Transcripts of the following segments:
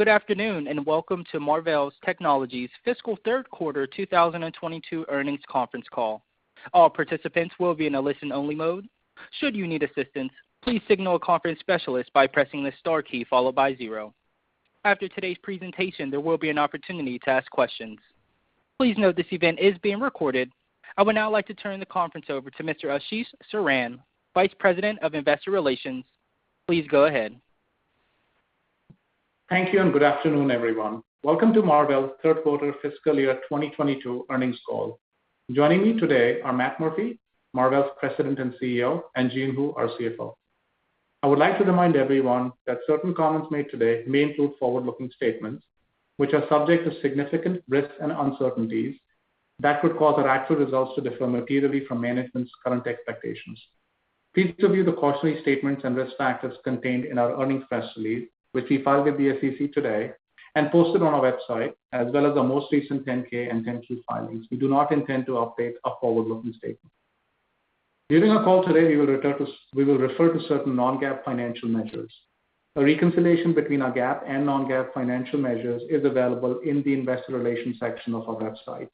Good afternoon, and welcome to Marvell Technology's fiscal third quarter 2022 earnings conference call. All participants will be in a listen-only mode. Should you need assistance, please signal a conference specialist by pressing the star key followed by zero. After today's presentation, there will be an opportunity to ask questions. Please note this event is being recorded. I would now like to turn the conference over to Mr. Ashish Saran, Vice President of Investor Relations. Please go ahead. Thank you, and good afternoon, everyone. Welcome to Marvell's third quarter fiscal year 2022 earnings call. Joining me today are Matt Murphy, Marvell's President and CEO, and Jean Hu, our CFO. I would like to remind everyone that certain comments made today may include forward-looking statements, which are subject to significant risks and uncertainties that could cause our actual results to differ materially from management's current expectations. Please review the cautionary statements and risk factors contained in our earnings press release, which we filed with the SEC today and posted on our website, as well as our most recent 10-K and 10-Q filings. We do not intend to update our forward-looking statements. During our call today, we will refer to certain non-GAAP financial measures. A reconciliation between our GAAP and non-GAAP financial measures is available in the investor relations section of our website.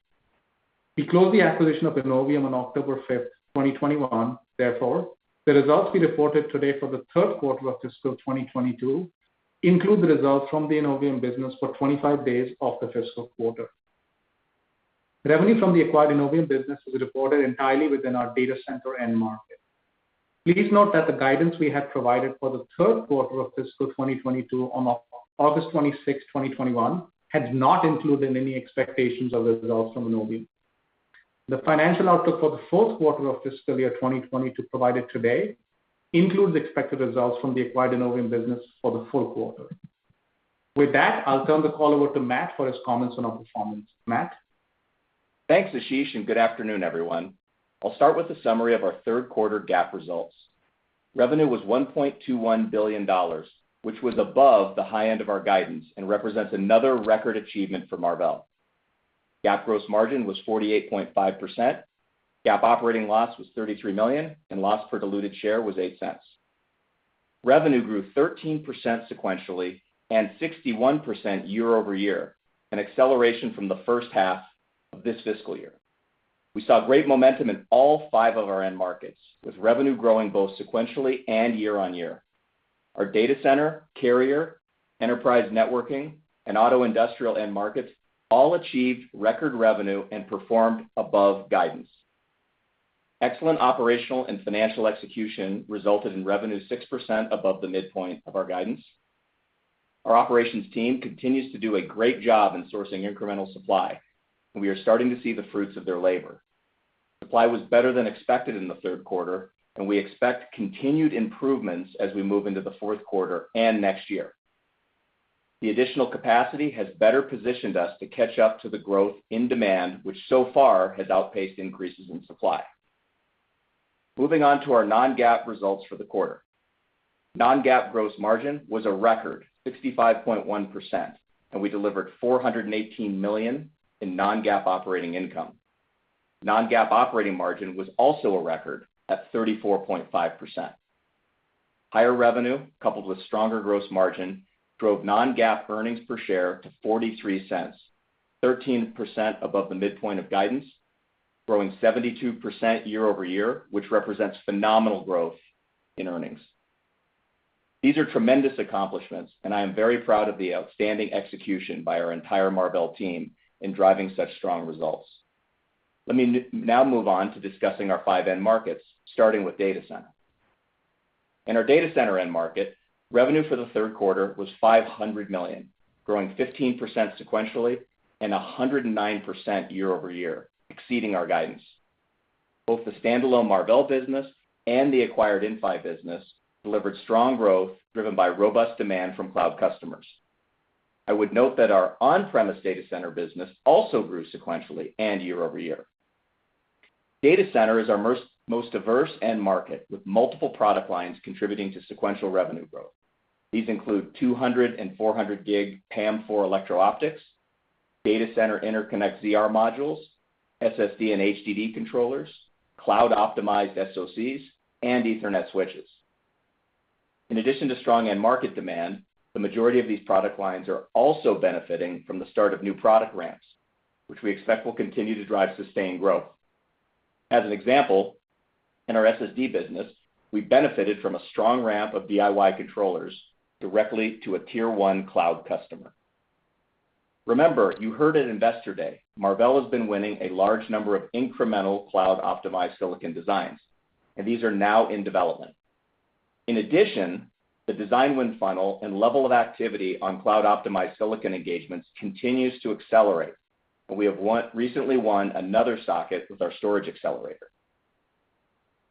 We closed the acquisition of Innovium on October 5, 2021. Therefore, the results we reported today for the third quarter of fiscal 2022 include the results from the Innovium business for 25 days of the fiscal quarter. Revenue from the acquired Innovium business was reported entirely within our data center end market. Please note that the guidance we had provided for the third quarter of fiscal 2022 on August 26, 2021 had not included any expectations of the results from Innovium. The financial outlook for the fourth quarter of fiscal year 2022 provided today includes expected results from the acquired Innovium business for the full quarter. With that, I'll turn the call over to Matt for his comments on our performance. Matt? Thanks, Ashish, and good afternoon, everyone. I'll start with a summary of our third quarter GAAP results. Revenue was $1.21 billion, which was above the high end of our guidance and represents another record achievement for Marvell. GAAP gross margin was 48.5%. GAAP operating loss was $33 million, and loss per diluted share was $0.08. Revenue grew 13% sequentially and 61% year-over-year, an acceleration from the first half of this fiscal year. We saw great momentum in all five of our end markets, with revenue growing both sequentially and year-over-year. Our data center, carrier, enterprise networking, and auto industrial end markets all achieved record revenue and performed above guidance. Excellent operational and financial execution resulted in revenue 6% above the midpoint of our guidance. Our operations team continues to do a great job in sourcing incremental supply, and we are starting to see the fruits of their labor. Supply was better than expected in the third quarter, and we expect continued improvements as we move into the fourth quarter and next year. The additional capacity has better positioned us to catch up to the growth in demand, which so far has outpaced increases in supply. Moving on to our non-GAAP results for the quarter. Non-GAAP gross margin was a record 65.1%, and we delivered $418 million in non-GAAP operating income. Non-GAAP operating margin was also a record at 34.5%. Higher revenue, coupled with stronger gross margin, drove non-GAAP earnings per share to $0.43, 13% above the midpoint of guidance, growing 72% year-over-year, which represents phenomenal growth in earnings. These are tremendous accomplishments, and I am very proud of the outstanding execution by our entire Marvell team in driving such strong results. Let me now move on to discussing our five end markets, starting with data center. In our data center end market, revenue for the third quarter was $500 million, growing 15% sequentially and 109% year-over-year, exceeding our guidance. Both the standalone Marvell business and the acquired Inphi business delivered strong growth driven by robust demand from cloud customers. I would note that our on-premise data center business also grew sequentially and year-over-year. Data center is our most diverse end market, with multiple product lines contributing to sequential revenue growth. These include 200- and 400-gig PAM4 electro-optics, data center interconnect ZR modules, SSD and HDD controllers, cloud optimized SoCs, and Ethernet switches. In addition to strong end market demand, the majority of these product lines are also benefiting from the start of new product ramps, which we expect will continue to drive sustained growth. As an example, in our SSD business, we benefited from a strong ramp of DIY controllers directly to a tier one cloud customer. Remember, you heard at Investor Day, Marvell has been winning a large number of incremental cloud optimized silicon designs, and these are now in development. In addition, the design win funnel and level of activity on cloud optimized silicon engagements continues to accelerate, and we recently won another socket with our storage accelerator.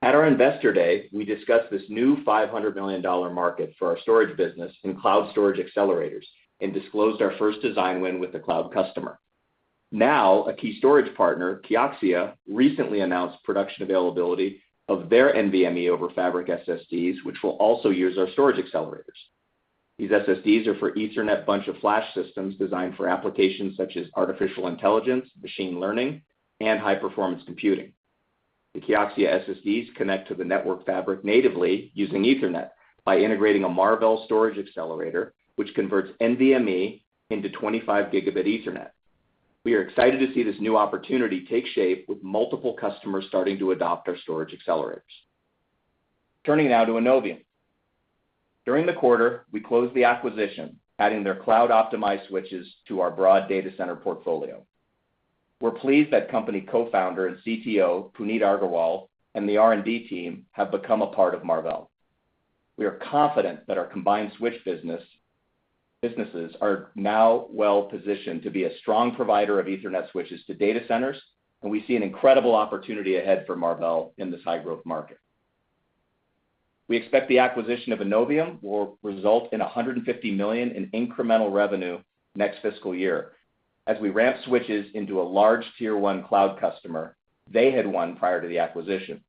At our Investor Day, we discussed this new $500 million market for our storage business in cloud storage accelerators and disclosed our first design win with a cloud customer. Now, a key storage partner, Kioxia, recently announced production availability of their NVMe over Fabric SSDs, which will also use our storage accelerators. These SSDs are for Ethernet-based all-flash systems designed for applications such as artificial intelligence, machine learning, and high-performance computing. The Kioxia SSDs connect to the network fabric natively using Ethernet by integrating a Marvell storage accelerator, which converts NVMe into 25-gigabit Ethernet. We are excited to see this new opportunity take shape with multiple customers starting to adopt our storage accelerators. Turning now to Innovium. During the quarter, we closed the acquisition, adding their cloud-optimized switches to our broad data center portfolio. We're pleased that company co-founder and CTO, Puneet Agarwal, and the R&D team have become a part of Marvell. We are confident that our combined switch businesses are now well-positioned to be a strong provider of Ethernet switches to data centers, and we see an incredible opportunity ahead for Marvell in this high-growth market. We expect the acquisition of Innovium will result in $150 million in incremental revenue next fiscal year as we ramp switches into a large tier one cloud customer they had won prior to the acquisition.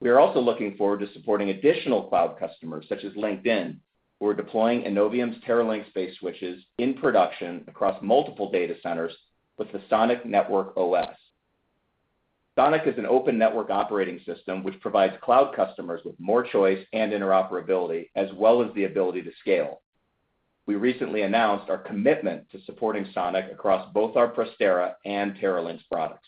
We are also looking forward to supporting additional cloud customers, such as LinkedIn, who are deploying Innovium's TERALYNX switches in production across multiple data centers with the SONiC network OS. SONiC is an open network operating system which provides cloud customers with more choice and interoperability as well as the ability to scale. We recently announced our commitment to supporting SONiC across both our Prestera and TERALYNX products.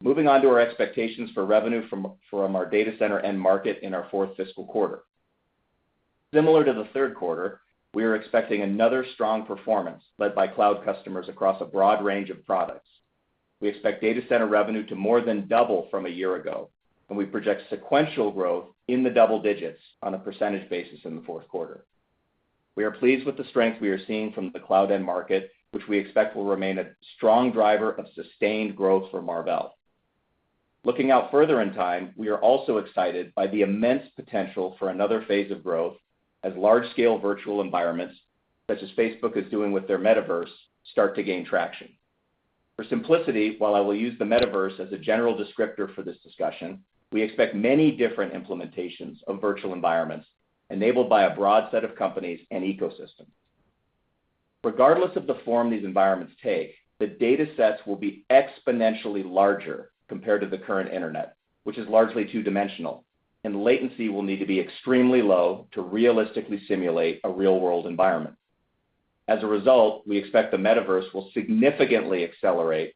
Moving on to our expectations for revenue from our data center end market in our fourth fiscal quarter. Similar to the third quarter, we are expecting another strong performance led by cloud customers across a broad range of products. We expect data center revenue to more than double from a year ago, and we project sequential growth in the double digits on a percentage basis in the fourth quarter. We are pleased with the strength we are seeing from the cloud end market, which we expect will remain a strong driver of sustained growth for Marvell. Looking out further in time, we are also excited by the immense potential for another phase of growth as large-scale virtual environments, such as Facebook is doing with their metaverse, start to gain traction. For simplicity, while I will use the metaverse as a general descriptor for this discussion, we expect many different implementations of virtual environments enabled by a broad set of companies and ecosystems. Regardless of the form these environments take, the datasets will be exponentially larger compared to the current internet, which is largely two-dimensional, and latency will need to be extremely low to realistically simulate a real-world environment. As a result, we expect the metaverse will significantly accelerate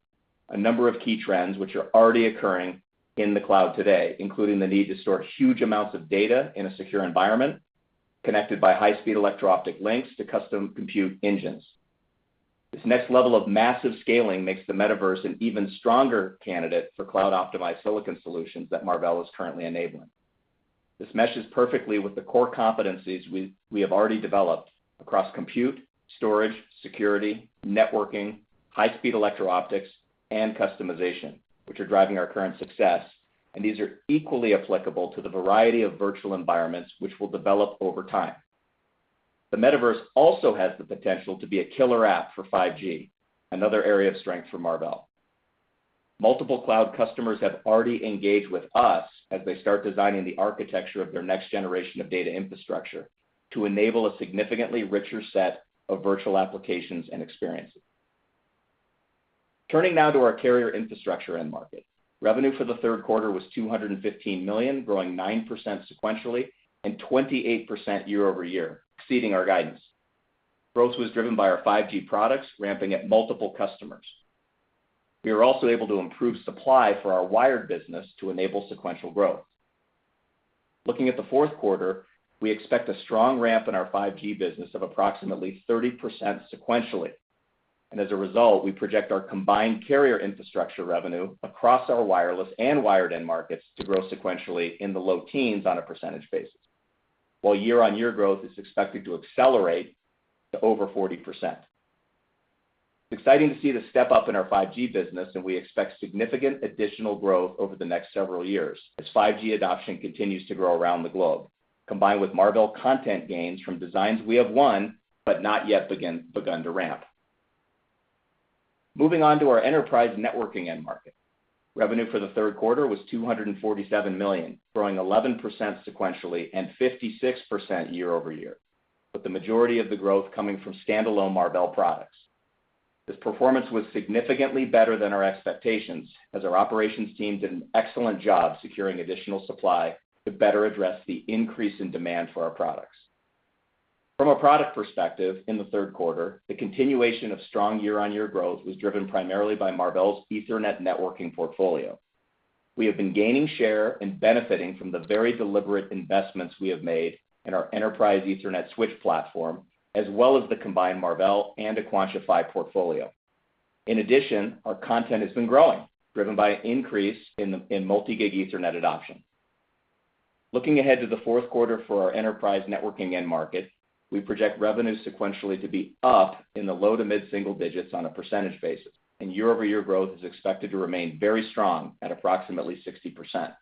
a number of key trends which are already occurring in the cloud today, including the need to store huge amounts of data in a secure environment connected by high-speed electro optic links to custom compute engines. This next level of massive scaling makes the metaverse an even stronger candidate for cloud-optimized silicon solutions that Marvell is currently enabling. This meshes perfectly with the core competencies we have already developed across compute, storage, security, networking, high-speed electro-optics, and customization, which are driving our current success, and these are equally applicable to the variety of virtual environments which will develop over time. The metaverse also has the potential to be a killer app for 5G, another area of strength for Marvell. Multiple cloud customers have already engaged with us as they start designing the architecture of their next generation of data infrastructure to enable a significantly richer set of virtual applications and experiences. Turning now to our carrier infrastructure end market. Revenue for the third quarter was $215 million, growing 9% sequentially and 28% year-over-year, exceeding our guidance. Growth was driven by our 5G products ramping at multiple customers. We were also able to improve supply for our wired business to enable sequential growth. Looking at the fourth quarter, we expect a strong ramp in our 5G business of approximately 30% sequentially. As a result, we project our combined carrier infrastructure revenue across our wireless and wired end markets to grow sequentially in the low teens%, while year-on-year growth is expected to accelerate to over 40%. Exciting to see the step-up in our 5G business, and we expect significant additional growth over the next several years as 5G adoption continues to grow around the globe, combined with Marvell content gains from designs we have won but not yet begun to ramp. Moving on to our enterprise networking end market. Revenue for the third quarter was $247 million, growing 11% sequentially and 56% year-over-year, with the majority of the growth coming from standalone Marvell products. This performance was significantly better than our expectations as our operations team did an excellent job securing additional supply to better address the increase in demand for our products. From a product perspective in the third quarter, the continuation of strong year-on-year growth was driven primarily by Marvell's Ethernet networking portfolio. We have been gaining share and benefiting from the very deliberate investments we have made in our enterprise Ethernet switch platform, as well as the combined Marvell and Aquantia PHY portfolio. In addition, our content has been growing, driven by an increase in multi-gig Ethernet adoption. Looking ahead to the fourth quarter for our enterprise networking end market, we project revenue sequentially to be up in the low- to mid-single digits% on a percentage basis, and year-over-year growth is expected to remain very strong at approximately 60%.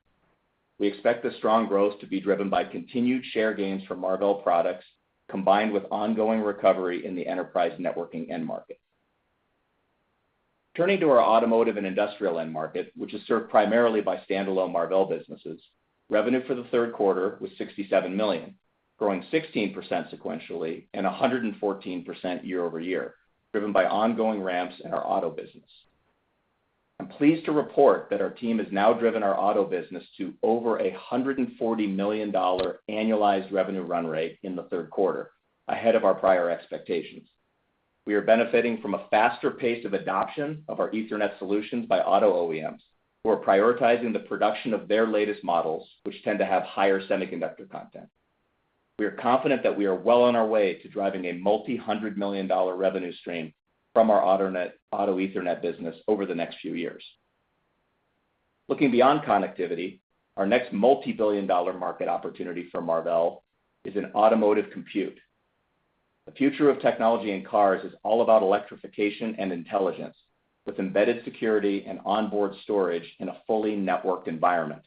We expect the strong growth to be driven by continued share gains from Marvell products, combined with ongoing recovery in the enterprise networking end market. Turning to our automotive and industrial end market, which is served primarily by standalone Marvell businesses, revenue for the third quarter was $67 million, growing 16% sequentially and 114% year-over-year, driven by ongoing ramps in our auto business. I'm pleased to report that our team has now driven our auto business to over $140 million annualized revenue run rate in the third quarter, ahead of our prior expectations. We are benefiting from a faster pace of adoption of our Ethernet solutions by auto OEMs, who are prioritizing the production of their latest models, which tend to have higher semiconductor content. We are confident that we are well on our way to driving a multi-hundred million dollar revenue stream from our auto Ethernet business over the next few years. Looking beyond connectivity, our next multi-billion dollar market opportunity for Marvell is in automotive compute. The future of technology in cars is all about electrification and intelligence, with embedded security and onboard storage in a fully networked environment.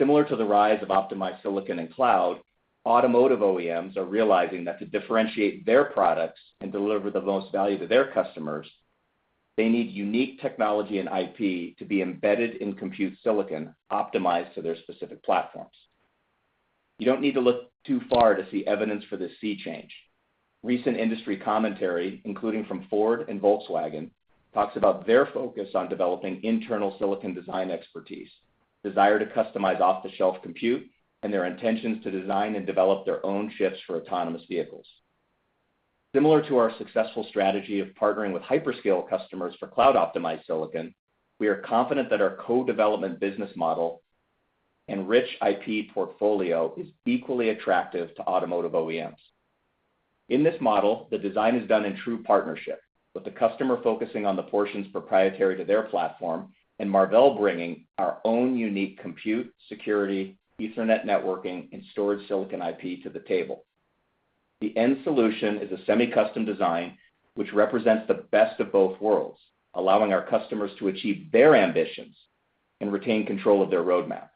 Similar to the rise of optimized silicon and cloud, automotive OEMs are realizing that to differentiate their products and deliver the most value to their customers, they need unique technology and IP to be embedded in compute silicon optimized to their specific platforms. You don't need to look too far to see evidence for this sea change. Recent industry commentary, including from Ford and Volkswagen, talks about their focus on developing internal silicon design expertise, desire to customize off-the-shelf compute, and their intentions to design and develop their own chips for autonomous vehicles. Similar to our successful strategy of partnering with hyperscale customers for cloud-optimized silicon, we are confident that our co-development business model and rich IP portfolio is equally attractive to automotive OEMs. In this model, the design is done in true partnership, with the customer focusing on the portions proprietary to their platform and Marvell bringing our own unique compute, security, Ethernet networking, and storage silicon IP to the table. The end solution is a semi-custom design, which represents the best of both worlds, allowing our customers to achieve their ambitions and retain control of their roadmap.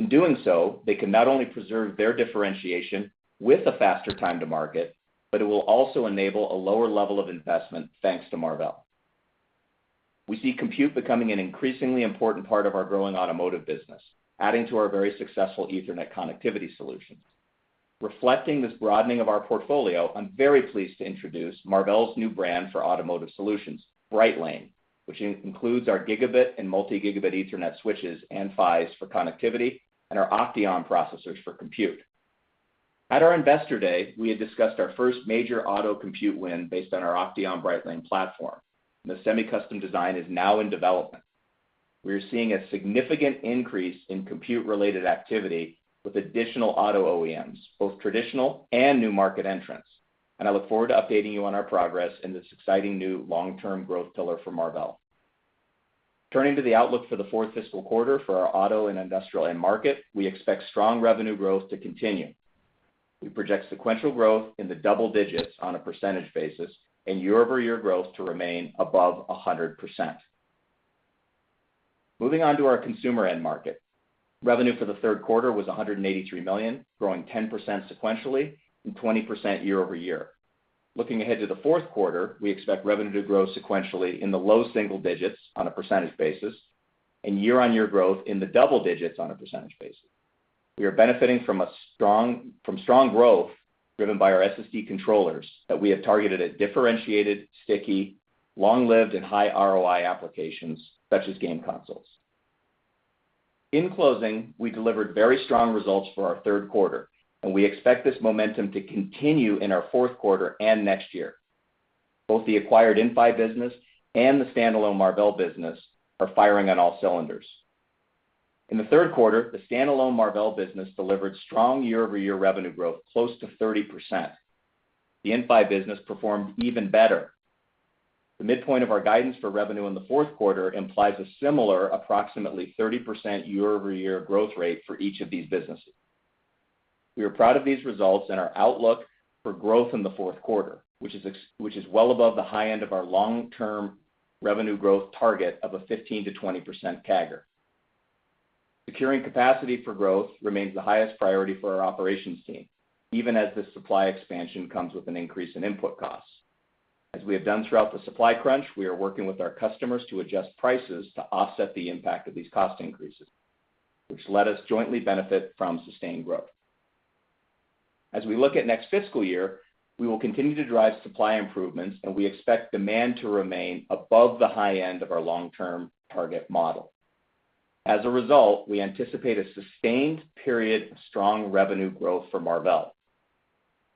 In doing so, they can not only preserve their differentiation with a faster time to market, but it will also enable a lower level of investment, thanks to Marvell. We see compute becoming an increasingly important part of our growing automotive business, adding to our very successful Ethernet connectivity solutions. Reflecting this broadening of our portfolio, I'm very pleased to introduce Marvell's new brand for automotive solutions, Brightlane, which includes our gigabit and multi-gigabit Ethernet switches and PHYs for connectivity and our OCTEON processors for compute. At our Investor Day, we had discussed our first major auto compute win based on our Octeon Brightlane platform, and the semi-custom design is now in development. We are seeing a significant increase in compute-related activity with additional auto OEMs, both traditional and new market entrants, and I look forward to updating you on our progress in this exciting new long-term growth pillar for Marvell. Turning to the outlook for the fourth fiscal quarter for our auto and industrial end market, we expect strong revenue growth to continue. We project sequential growth in the double digits% and year-over-year growth to remain above 100%. Moving on to our consumer end market. Revenue for the third quarter was $183 million, growing 10% sequentially and 20% year-over-year. Looking ahead to the fourth quarter, we expect revenue to grow sequentially in the low single digits% and year-on-year growth in the double digits%. We are benefiting from strong growth driven by our SSD controllers that we have targeted at differentiated, sticky, long-lived, and high ROI applications, such as game consoles. In closing, we delivered very strong results for our third quarter, and we expect this momentum to continue in our fourth quarter and next year. Both the acquired Inphi business and the standalone Marvell business are firing on all cylinders. In the third quarter, the standalone Marvell business delivered strong year-over-year revenue growth, close to 30%. The Inphi business performed even better. The midpoint of our guidance for revenue in the fourth quarter implies a similar, approximately 30% year-over-year growth rate for each of these businesses. We are proud of these results and our outlook for growth in the fourth quarter, which is well above the high end of our long-term revenue growth target of a 15%-20% CAGR. Securing capacity for growth remains the highest priority for our operations team, even as this supply expansion comes with an increase in input costs. As we have done throughout the supply crunch, we are working with our customers to adjust prices to offset the impact of these cost increases, which let us jointly benefit from sustained growth. As we look at next fiscal year, we will continue to drive supply improvements, and we expect demand to remain above the high end of our long-term target model. As a result, we anticipate a sustained period of strong revenue growth for Marvell.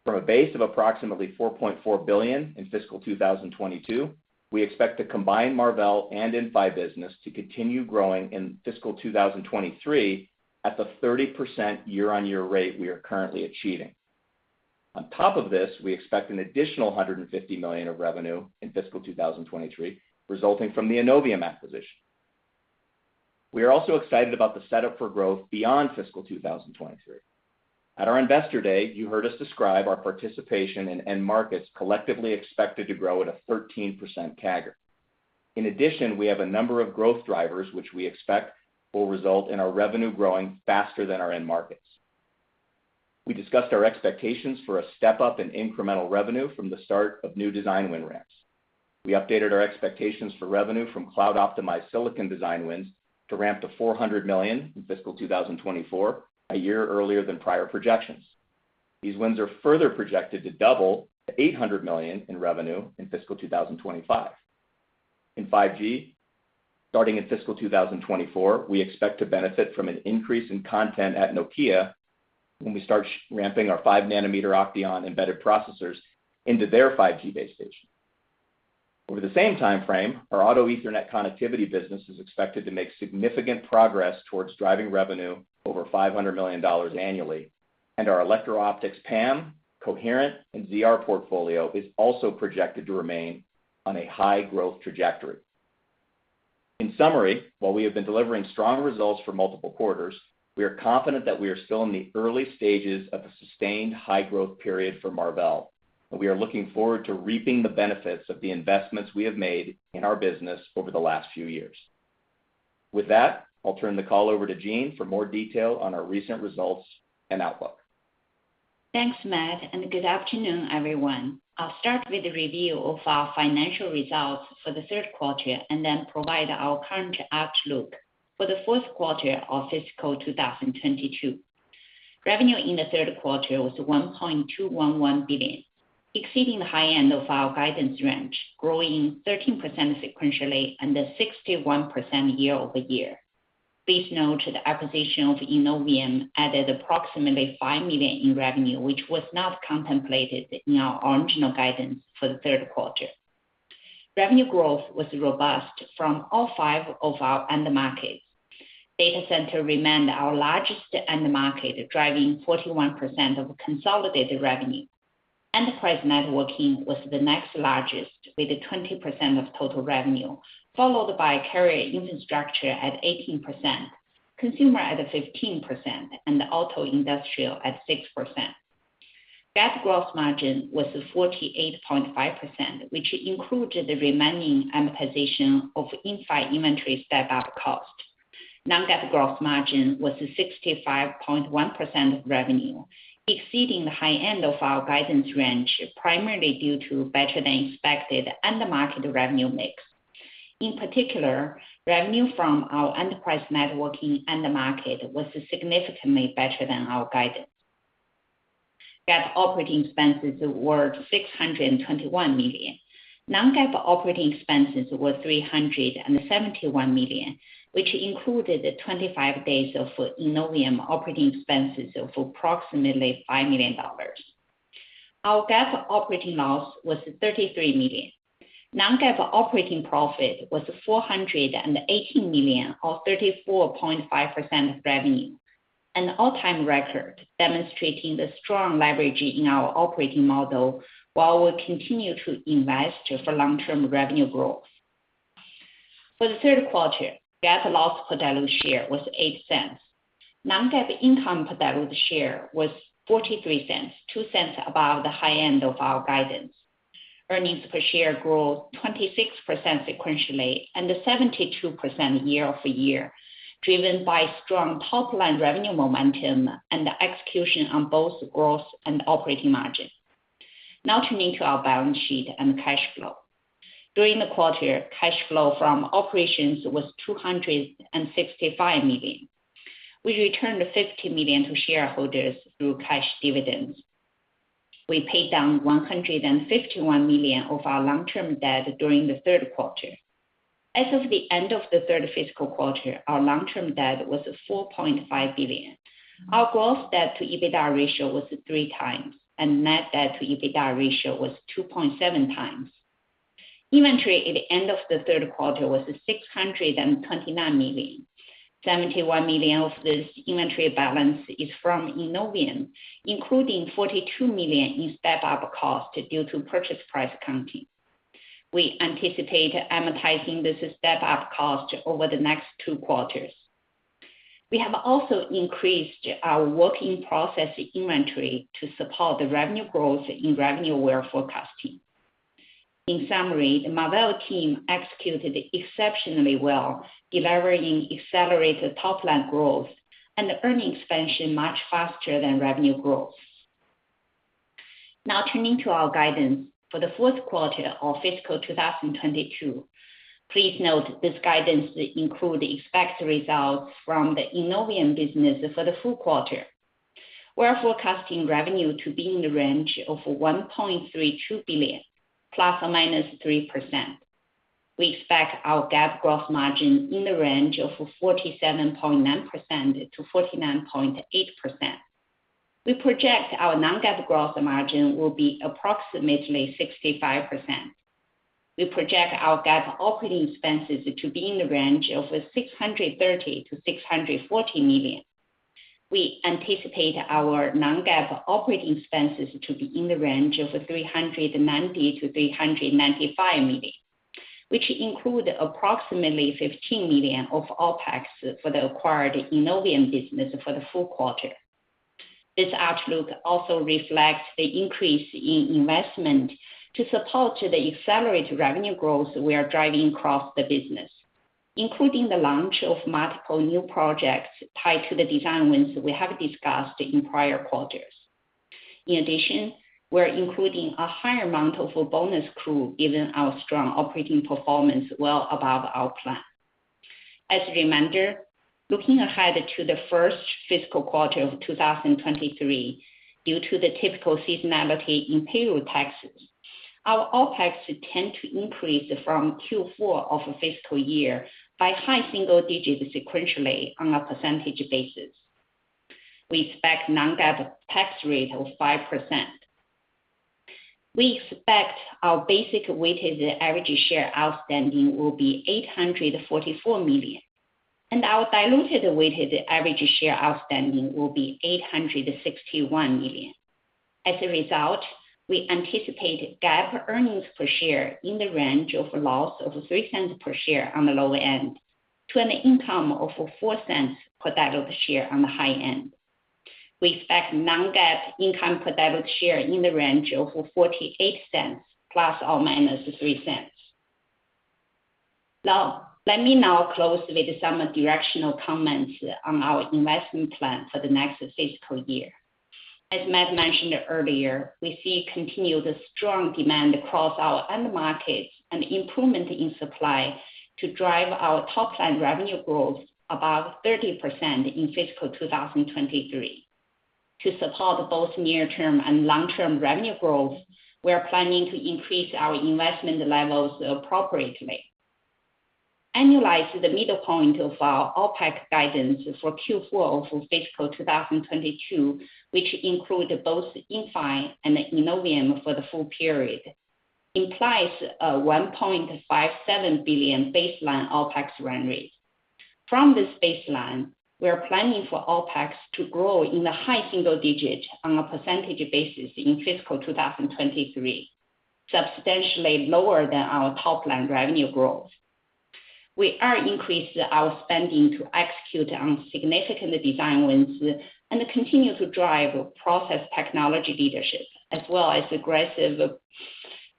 From a base of approximately $4.4 billion in fiscal 2022, we expect the combined Marvell and Inphi business to continue growing in fiscal 2023 at the 30% year-on-year rate we are currently achieving. On top of this, we expect an additional $150 million of revenue in fiscal 2023 resulting from the Innovium acquisition. We are also excited about the setup for growth beyond fiscal 2023. At our Investor Day, you heard us describe our participation in end markets collectively expected to grow at a 13% CAGR. In addition, we have a number of growth drivers which we expect will result in our revenue growing faster than our end markets. We discussed our expectations for a step-up in incremental revenue from the start of new design win ramps. We updated our expectations for revenue from cloud-optimized silicon design wins to ramp to $400 million in fiscal 2024, a year earlier than prior projections. These wins are further projected to double to $800 million in revenue in fiscal 2025. In 5G, starting in fiscal 2024, we expect to benefit from an increase in content at Nokia when we start ramping our 5 nm OCTEON embedded processors into their 5G base station. Over the same time frame, our auto Ethernet connectivity business is expected to make significant progress towards driving revenue over $500 million annually, and our electro-optics, PAM, Coherent and ZR portfolio is also projected to remain on a high growth trajectory. In summary, while we have been delivering strong results for multiple quarters, we are confident that we are still in the early stages of a sustained high growth period for Marvell, and we are looking forward to reaping the benefits of the investments we have made in our business over the last few years. With that, I'll turn the call over to Jean for more detail on our recent results and outlook. Thanks, Matt, and good afternoon, everyone. I'll start with the review of our financial results for the third quarter and then provide our current outlook for the fourth quarter of fiscal 2022. Revenue in the third quarter was $1.211 billion, exceeding the high end of our guidance range, growing 13% sequentially and 61% year-over-year. Please note the acquisition of Innovium added approximately $5 million in revenue, which was not contemplated in our original guidance for the third quarter. Revenue growth was robust from all five of our end markets. Data center remained our largest end market, driving 41% of consolidated revenue. Enterprise networking was the next largest with 20% of total revenue, followed by carrier infrastructure at 18%, consumer at 15% and auto industrial at 6%. GAAP gross margin was 48.5%, which included the remaining amortization of Inphi inventory step-up cost. Non-GAAP gross margin was 65.1% of revenue, exceeding the high end of our guidance range, primarily due to better than expected end market revenue mix. In particular, revenue from our enterprise networking end market was significantly better than our guidance. GAAP operating expenses were $621 million. Non-GAAP operating expenses were $371 million, which included 25 days of Innovium operating expenses of approximately $5 million. Our GAAP operating loss was $33 million. Non-GAAP operating profit was $480 million, or 34.5% of revenue, an all-time record demonstrating the strong leverage in our operating model, while we continue to invest for long-term revenue growth. For the third quarter, GAAP loss per diluted share was $0.08. Non-GAAP income per diluted share was $0.43, $0.02 above the high end of our guidance. Earnings per share grew 26% sequentially and 72% year-over-year, driven by strong top line revenue momentum and execution on both gross and operating margin. Now turning to our balance sheet and cash flow. During the quarter, cash flow from operations was $265 million. We returned $50 million to shareholders through cash dividends. We paid down $151 million of our long-term debt during the third quarter. As of the end of the third fiscal quarter, our long-term debt was $4.5 billion. Our gross debt to EBITDA ratio was 3x and net debt to EBITDA ratio was 2.7x. Inventory at the end of the third quarter was $629 million. $71 million of this inventory balance is from Innovium, including $42 million in step-up cost due to purchase price accounting. We anticipate amortizing this step-up cost over the next 2 quarters. We have also increased our work-in-process inventory to support the revenue growth in revenue we are forecasting. In summary, the Marvell team executed exceptionally well, delivering accelerated top-line growth and earnings expansion much faster than revenue growth. Now turning to our guidance for the fourth quarter of fiscal 2022. Please note this guidance includes expected results from the Innovium business for the full quarter. We are forecasting revenue to be in the range of $1.32 billion ±3%. We expect our GAAP gross margin in the range of 47.9%-49.8%. We project our non-GAAP gross margin will be approximately 65%. We project our GAAP operating expenses to be in the range of $630 million-$640 million. We anticipate our non-GAAP operating expenses to be in the range of $390 million-$395 million, which include approximately $15 million of OpEx for the acquired Innovium business for the full quarter. This outlook also reflects the increase in investment to support the accelerated revenue growth we are driving across the business, including the launch of multiple new projects tied to the design wins we have discussed in prior quarters. In addition, we're including a higher amount of bonus accrual given our strong operating performance well above our plan. As a reminder, looking ahead to the first fiscal quarter of 2023, due to the typical seasonality in payroll taxes, our OpEx tend to increase from Q4 of a fiscal year by high single digits sequentially on a percentage basis. We expect non-GAAP tax rate of 5%. We expect our basic weighted average share outstanding will be 844 million, and our diluted weighted average share outstanding will be 861 million. As a result, we anticipate GAAP earnings per share in the range of a loss of $0.03 per share on the low end, to an income of $0.04 per diluted share on the high end. We expect non-GAAP income per diluted share in the range of $0.48 ± $0.03. Now, let me now close with some directional comments on our investment plan for the next fiscal year. As Matt mentioned earlier, we see continued strong demand across our end markets and improvement in supply to drive our top-line revenue growth above 30% in fiscal 2023. To support both near-term and long-term revenue growth, we are planning to increase our investment levels appropriately. Annualize the middle point of our OpEx guidance for Q4 of fiscal 2022, which includes both Inphi and Innovium for the full period, implies a $1.57 billion baseline OpEx run rate. From this baseline, we are planning for OpEx to grow in the high single digits on a percentage basis in fiscal 2023, substantially lower than our top-line revenue growth. We are increasing our spending to execute on significant design wins and continue to drive process technology leadership, as well as aggressively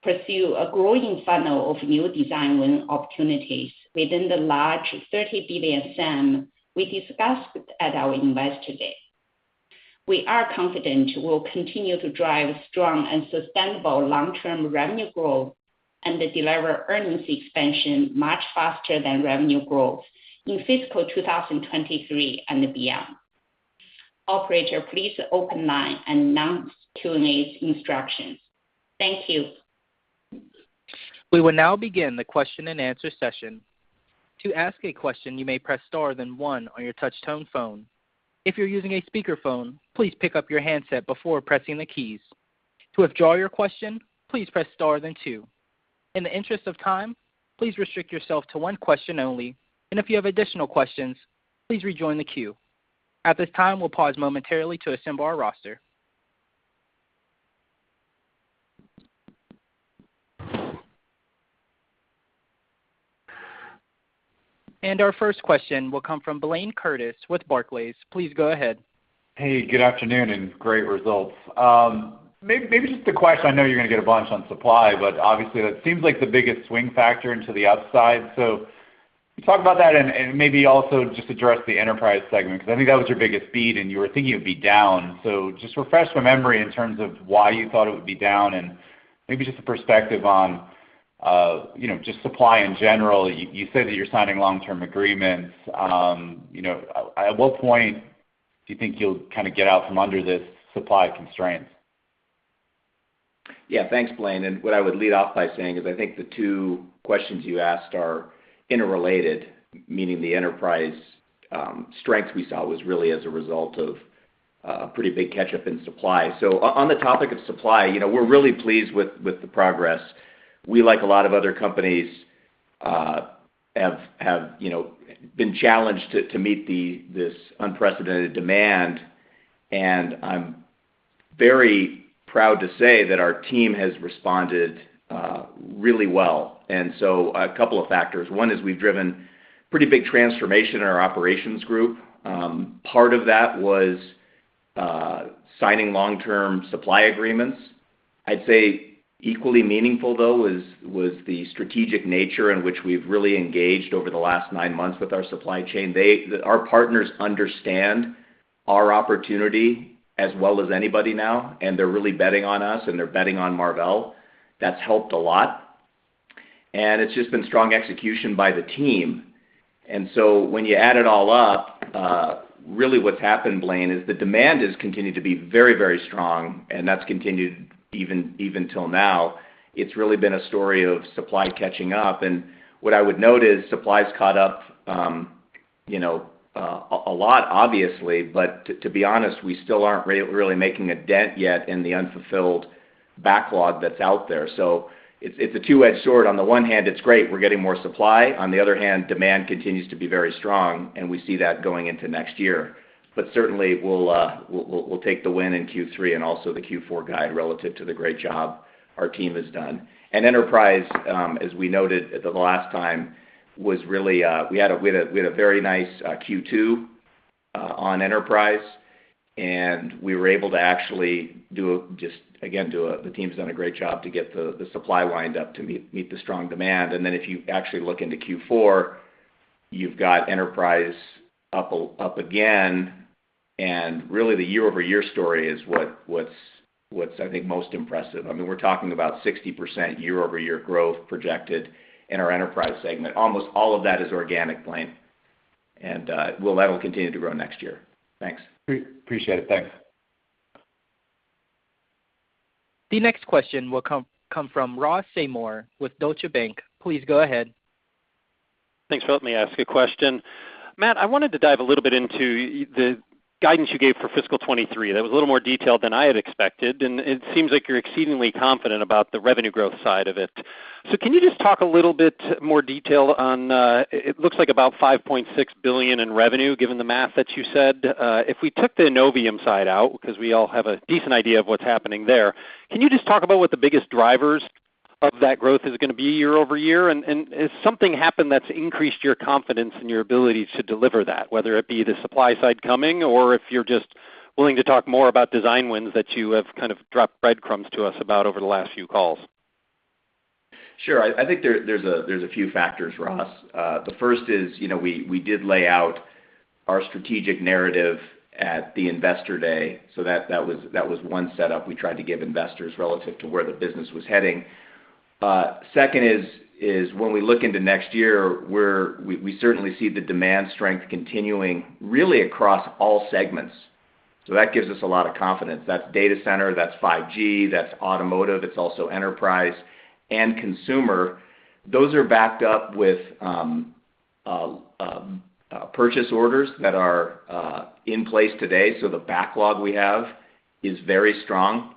pursue a growing funnel of new design win opportunities within the large $30 billion SAM we discussed at our Investor Day. We are confident we'll continue to drive strong and sustainable long-term revenue growth and deliver earnings expansion much faster than revenue growth in fiscal 2023 and beyond. Operator, please open line and announce Q&A instructions. Thank you. We will now begin the question-and-answer session. To ask a question, you may press star then one on your touch tone phone. If you're using a speakerphone, please pick up your handset before pressing the keys. To withdraw your question, please press star then two. In the interest of time, please restrict yourself to one question only, and if you have additional questions, please rejoin the queue. At this time, we'll pause momentarily to assemble our roster. Our first question will come from Blayne Curtis with Barclays. Please go ahead. Hey, good afternoon, and great results. Maybe just a question. I know you're gonna get a bunch on supply, but obviously that seems like the biggest swing factor into the upside. Can you talk about that and maybe also just address the enterprise segment, 'cause I think that was your biggest beat, and you were thinking it would be down. Just refresh my memory in terms of why you thought it would be down and maybe just a perspective on, you know, just supply in general. You said that you're signing long-term agreements. You know, at what point do you think you'll kind of get out from under this supply constraint? Yeah. Thanks, Blayne. What I would lead off by saying is, I think the two questions you asked are interrelated, meaning the enterprise strength we saw was really as a result of pretty big catch-up in supply. On the topic of supply, you know, we're really pleased with the progress. We, like a lot of other companies, have you know, been challenged to meet this unprecedented demand, and I'm very proud to say that our team has responded really well. A couple of factors. One is we've driven pretty big transformation in our operations group. Part of that was signing long-term supply agreements. I'd say equally meaningful, though, was the strategic nature in which we've really engaged over the last nine months with our supply chain. Our partners understand our opportunity as well as anybody now, and they're really betting on us, and they're betting on Marvell. That's helped a lot. It's just been strong execution by the team. When you add it all up, really what's happened, Blayne, is the demand has continued to be very, very strong, and that's continued even till now. It's really been a story of supply catching up. What I would note is supply's caught up a lot obviously, but to be honest, we still aren't really making a dent yet in the unfulfilled backlog that's out there. It's a two-edged sword. On the one hand, it's great, we're getting more supply. On the other hand, demand continues to be very strong, and we see that going into next year. Certainly, we'll take the win in Q3 and also the Q4 guide relative to the great job our team has done. Enterprise, as we noted the last time, was really. We had a very nice Q2 on enterprise, and we were able to actually do. The team's done a great job to get the supply lined up to meet the strong demand. Then if you actually look into Q4. You've got enterprise up again, and really the year-over-year story is what's, I think, most impressive. I mean, we're talking about 60% year-over-year growth projected in our Enterprise segment. Almost all of that is organic, Blayne. And that'll continue to grow next year. Thanks. Appreciate it. Thanks. The next question will come from Ross Seymore with Deutsche Bank. Please go ahead. Thanks for letting me ask a question. Matt, I wanted to dive a little bit into the guidance you gave for fiscal 2023. That was a little more detailed than I had expected, and it seems like you're exceedingly confident about the revenue growth side of it. Can you just talk a little bit more detail on, it looks like about $5.6 billion in revenue given the math that you said. If we took the Innovium side out, because we all have a decent idea of what's happening there, can you just talk about what the biggest drivers of that growth is gonna be year-over-year? Has something happened that's increased your confidence in your ability to deliver that, whether it be the supply side coming or if you're just willing to talk more about design wins that you have kind of dropped breadcrumbs to us about over the last few calls? Sure. I think there's a few factors, Ross. The first is, you know, we did lay out our strategic narrative at the Investor Day, so that was one setup we tried to give investors relative to where the business was heading. Second is when we look into next year, we certainly see the demand strength continuing really across all segments. That gives us a lot of confidence. That's data center, that's 5G, that's automotive, it's also enterprise and consumer. Those are backed up with purchase orders that are in place today, so the backlog we have is very strong.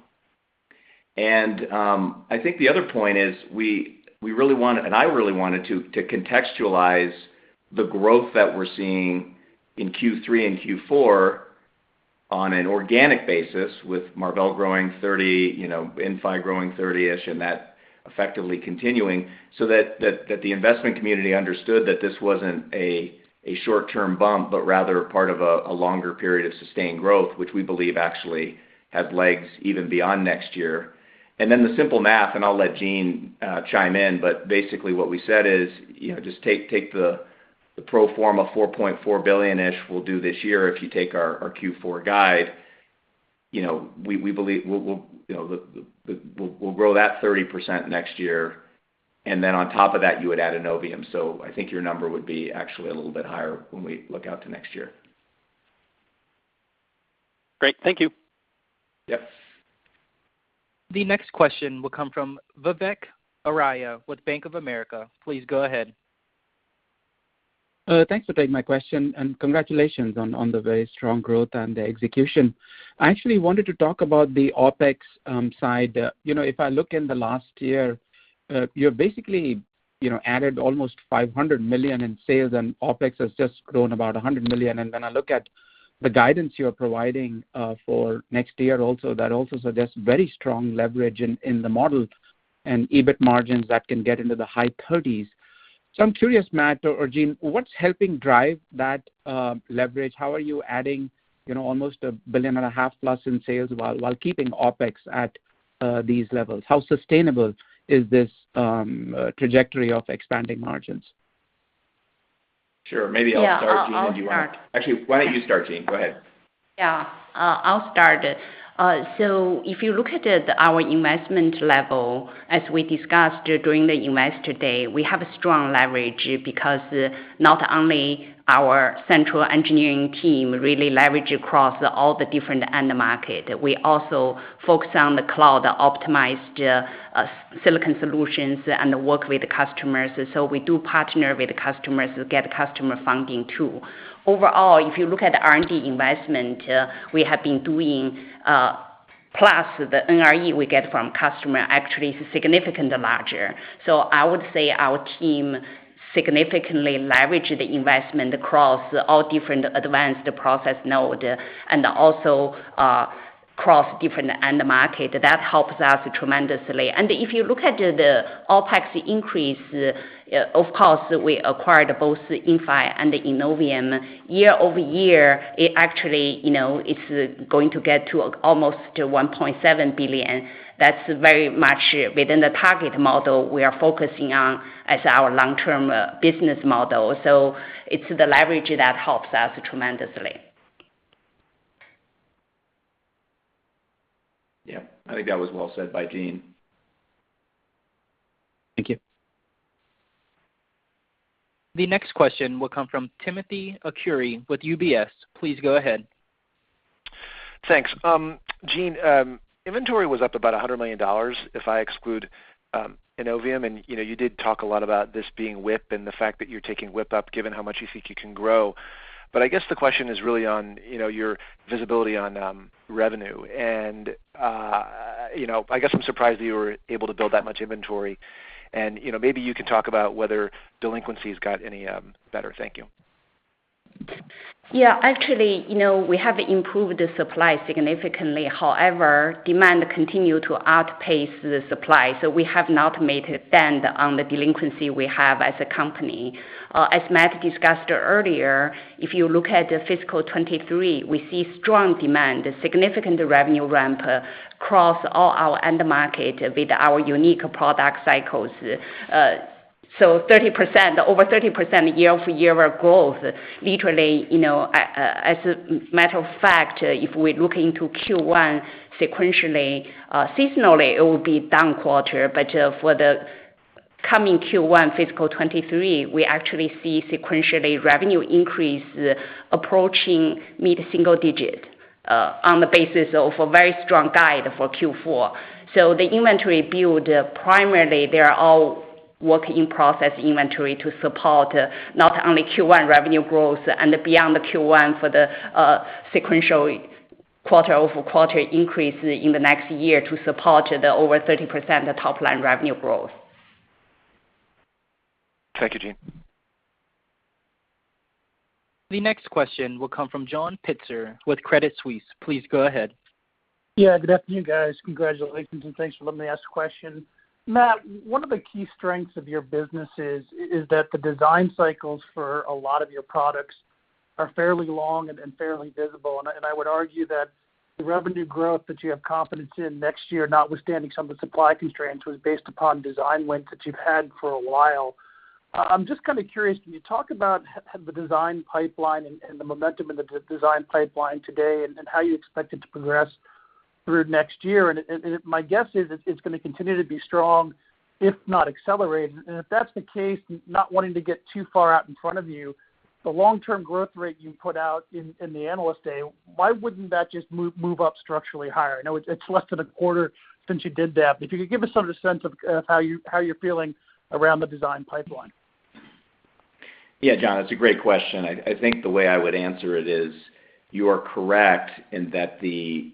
I think the other point is we really want to, and I really wanted to contextualize the growth that we're seeing in Q3 and Q4 on an organic basis with Marvell growing 30, you know, Inphi growing 30-ish, and that effectively continuing, so that the investment community understood that this wasn't a short-term bump, but rather part of a longer period of sustained growth, which we believe actually has legs even beyond next year. Then the simple math, and I'll let Jean chime in, but basically what we said is, you know, just take the pro forma $4.4 billion-ish we'll do this year if you take our Q4 guide. You know, we believe we'll, you know, the... We'll grow that 30% next year, and then on top of that, you would add Innovium. I think your number would be actually a little bit higher when we look out to next year. Great. Thank you. Yep. The next question will come from Vivek Arya with Bank of America. Please go ahead. Thanks for taking my question, and congratulations on the very strong growth and the execution. I actually wanted to talk about the OpEx side. You know, if I look in the last year, you're basically, you know, added almost $500 million in sales and OpEx has just grown about $100 million. Then I look at the guidance you're providing for next year also, that also suggests very strong leverage in the model and EBIT margins that can get into the high 30s%. I'm curious, Matt or Jean, what's helping drive that leverage? How are you adding, you know, almost $1.5 billion+ in sales while keeping OpEx at these levels? How sustainable is this trajectory of expanding margins? Sure. Maybe I'll start, Jean, and you- Yeah, I'll start. Actually, why don't you start, Jean? Go ahead. Yeah, I'll start. If you look at it, our investment level, as we discussed during the Investor Day, we have a strong leverage because not only our central engineering team really leverage across all the different end market. We also focus on the cloud-optimized silicon solutions and work with the customers. We do partner with the customers to get customer funding too. Overall, if you look at R&D investment, we have been doing, plus the NRE we get from customer actually is significantly larger. I would say our team significantly leverage the investment across all different advanced process node and also across different end market. That helps us tremendously. If you look at the OpEx increase, of course, we acquired both the Inphi and the Innovium. Year-over-year, it actually, you know, it's going to get to almost $1.7 billion. That's very much within the target model we are focusing on as our long-term business model. It's the leverage that helps us tremendously. Yeah. I think that was well said by Jean. Thank you. The next question will come from Timothy Arcuri with UBS. Please go ahead. Thanks. Jean, inventory was up about $100 million if I exclude Innovium, and you know, you did talk a lot about this being WIP and the fact that you're taking WIP up given how much you think you can grow. I guess the question is really on you know, your visibility on revenue and you know, I guess I'm surprised that you were able to build that much inventory and you know, maybe you can talk about whether delinquencies have gotten any better. Thank you. Yeah. Actually, you know, we have improved the supply significantly. However, demand continue to outpace the supply, so we have not made a dent on the delinquency we have as a company. As Matt discussed earlier, if you look at the fiscal 2023, we see strong demand, significant revenue ramp across all our end market with our unique product cycles. 30%, over 30% year-over-year growth. Literally, you know, as a matter of fact, if we look into Q1 sequentially, seasonally, it will be down quarter. For the coming Q1 fiscal 2023, we actually see sequentially revenue increase approaching mid-single-digit %, on the basis of a very strong guide for Q4. The inventory build, primarily they are all work in process inventory to support not only Q1 revenue growth and beyond the Q1 for the sequential quarter-over-quarter increase in the next year to support the over 30% top line revenue growth. Thank you, Jean. The next question will come from John Pitzer with Credit Suisse. Please go ahead. Yeah, good afternoon, guys. Congratulations, and thanks for letting me ask a question. Matt, one of the key strengths of your business is that the design cycles for a lot of your products are fairly long and fairly visible, and I would argue that the revenue growth that you have confidence in next year, notwithstanding some of the supply constraints, was based upon design wins that you've had for a while. I'm just kind of curious, can you talk about how the design pipeline and the momentum in the design pipeline today and how you expect it to progress through next year? My guess is it's gonna continue to be strong, if not accelerated. If that's the case, not wanting to get too far out in front of you, the long-term growth rate you put out in the Analyst Day, why wouldn't that just move up structurally higher? I know it's less than a quarter since you did that, but if you could give us sort of a sense of how you're feeling around the design pipeline. Yeah, John, that's a great question. I think the way I would answer it is you are correct in that the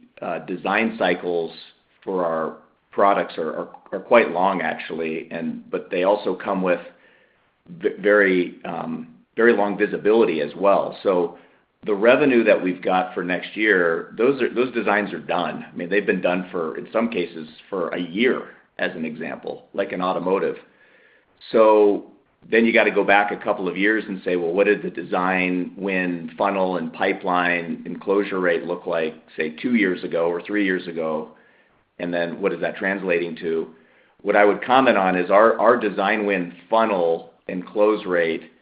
design cycles for our products are quite long actually, and but they also come with very long visibility as well. The revenue that we've got for next year, those designs are done. I mean, they've been done for, in some cases, a year as an example, like in automotive. You gotta go back a couple of years and say, "Well, what did the design win funnel and pipeline and closure rate look like, say, two years ago or three years ago? And then what is that translating to?" What I would comment on is our design win funnel and close rate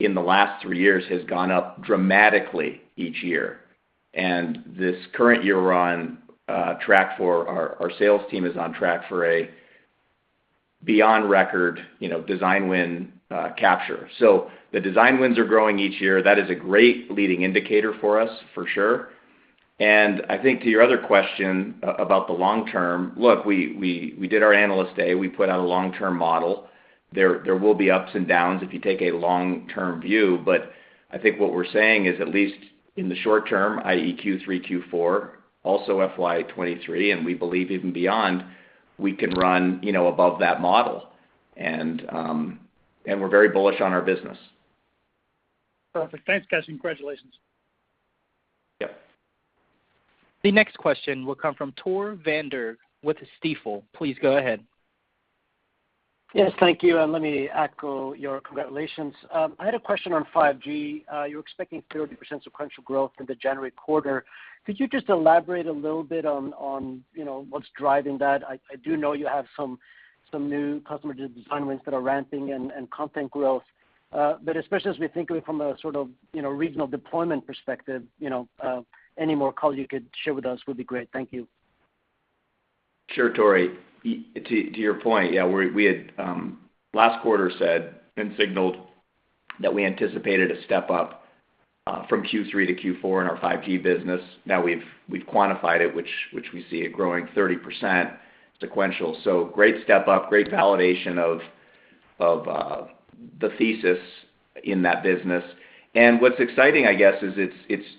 in the last three years has gone up dramatically each year. This current year, we're on track for our sales team is on track for a beyond record, you know, design win capture. The design wins are growing each year. That is a great leading indicator for us, for sure. I think to your other question about the long term, look, we did our Analyst Day. We put out a long-term model. There will be ups and downs if you take a long-term view. I think what we're saying is at least in the short term, i.e., Q3, Q4, also FY 2023, and we believe even beyond, we can run, you know, above that model. We're very bullish on our business. Perfect. Thanks, guys, and congratulations. Yep. The next question will come from Tore Svanberg with Stifel. Please go ahead. Yes, thank you, and let me echo your congratulations. I had a question on 5G. You're expecting 30% sequential growth in the January quarter. Could you just elaborate a little bit on you know what's driving that? I do know you have some new customer design wins that are ramping and content growth. Especially as we think of it from a sort of you know regional deployment perspective, you know any more color you could share with us would be great. Thank you. Sure, Tore. Yeah, to your point, yeah, we had last quarter said and signaled that we anticipated a step up from Q3 to Q4 in our 5G business. Now we've quantified it, which we see it growing 30% sequential. Great step-up, great validation of the thesis in that business. What's exciting, I guess, is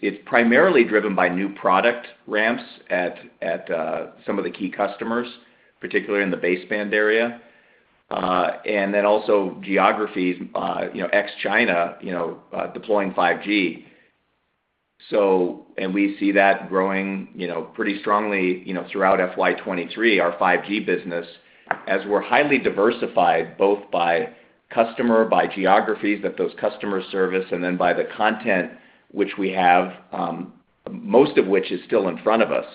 it's primarily driven by new product ramps at some of the key customers, particularly in the baseband area. And then also geographies, you know, ex-China, you know, deploying 5G. We see that growing, you know, pretty strongly, you know, throughout FY 2023, our 5G business, as we're highly diversified, both by customer, by geographies that those customers service, and then by the content which we have, most of which is still in front of us.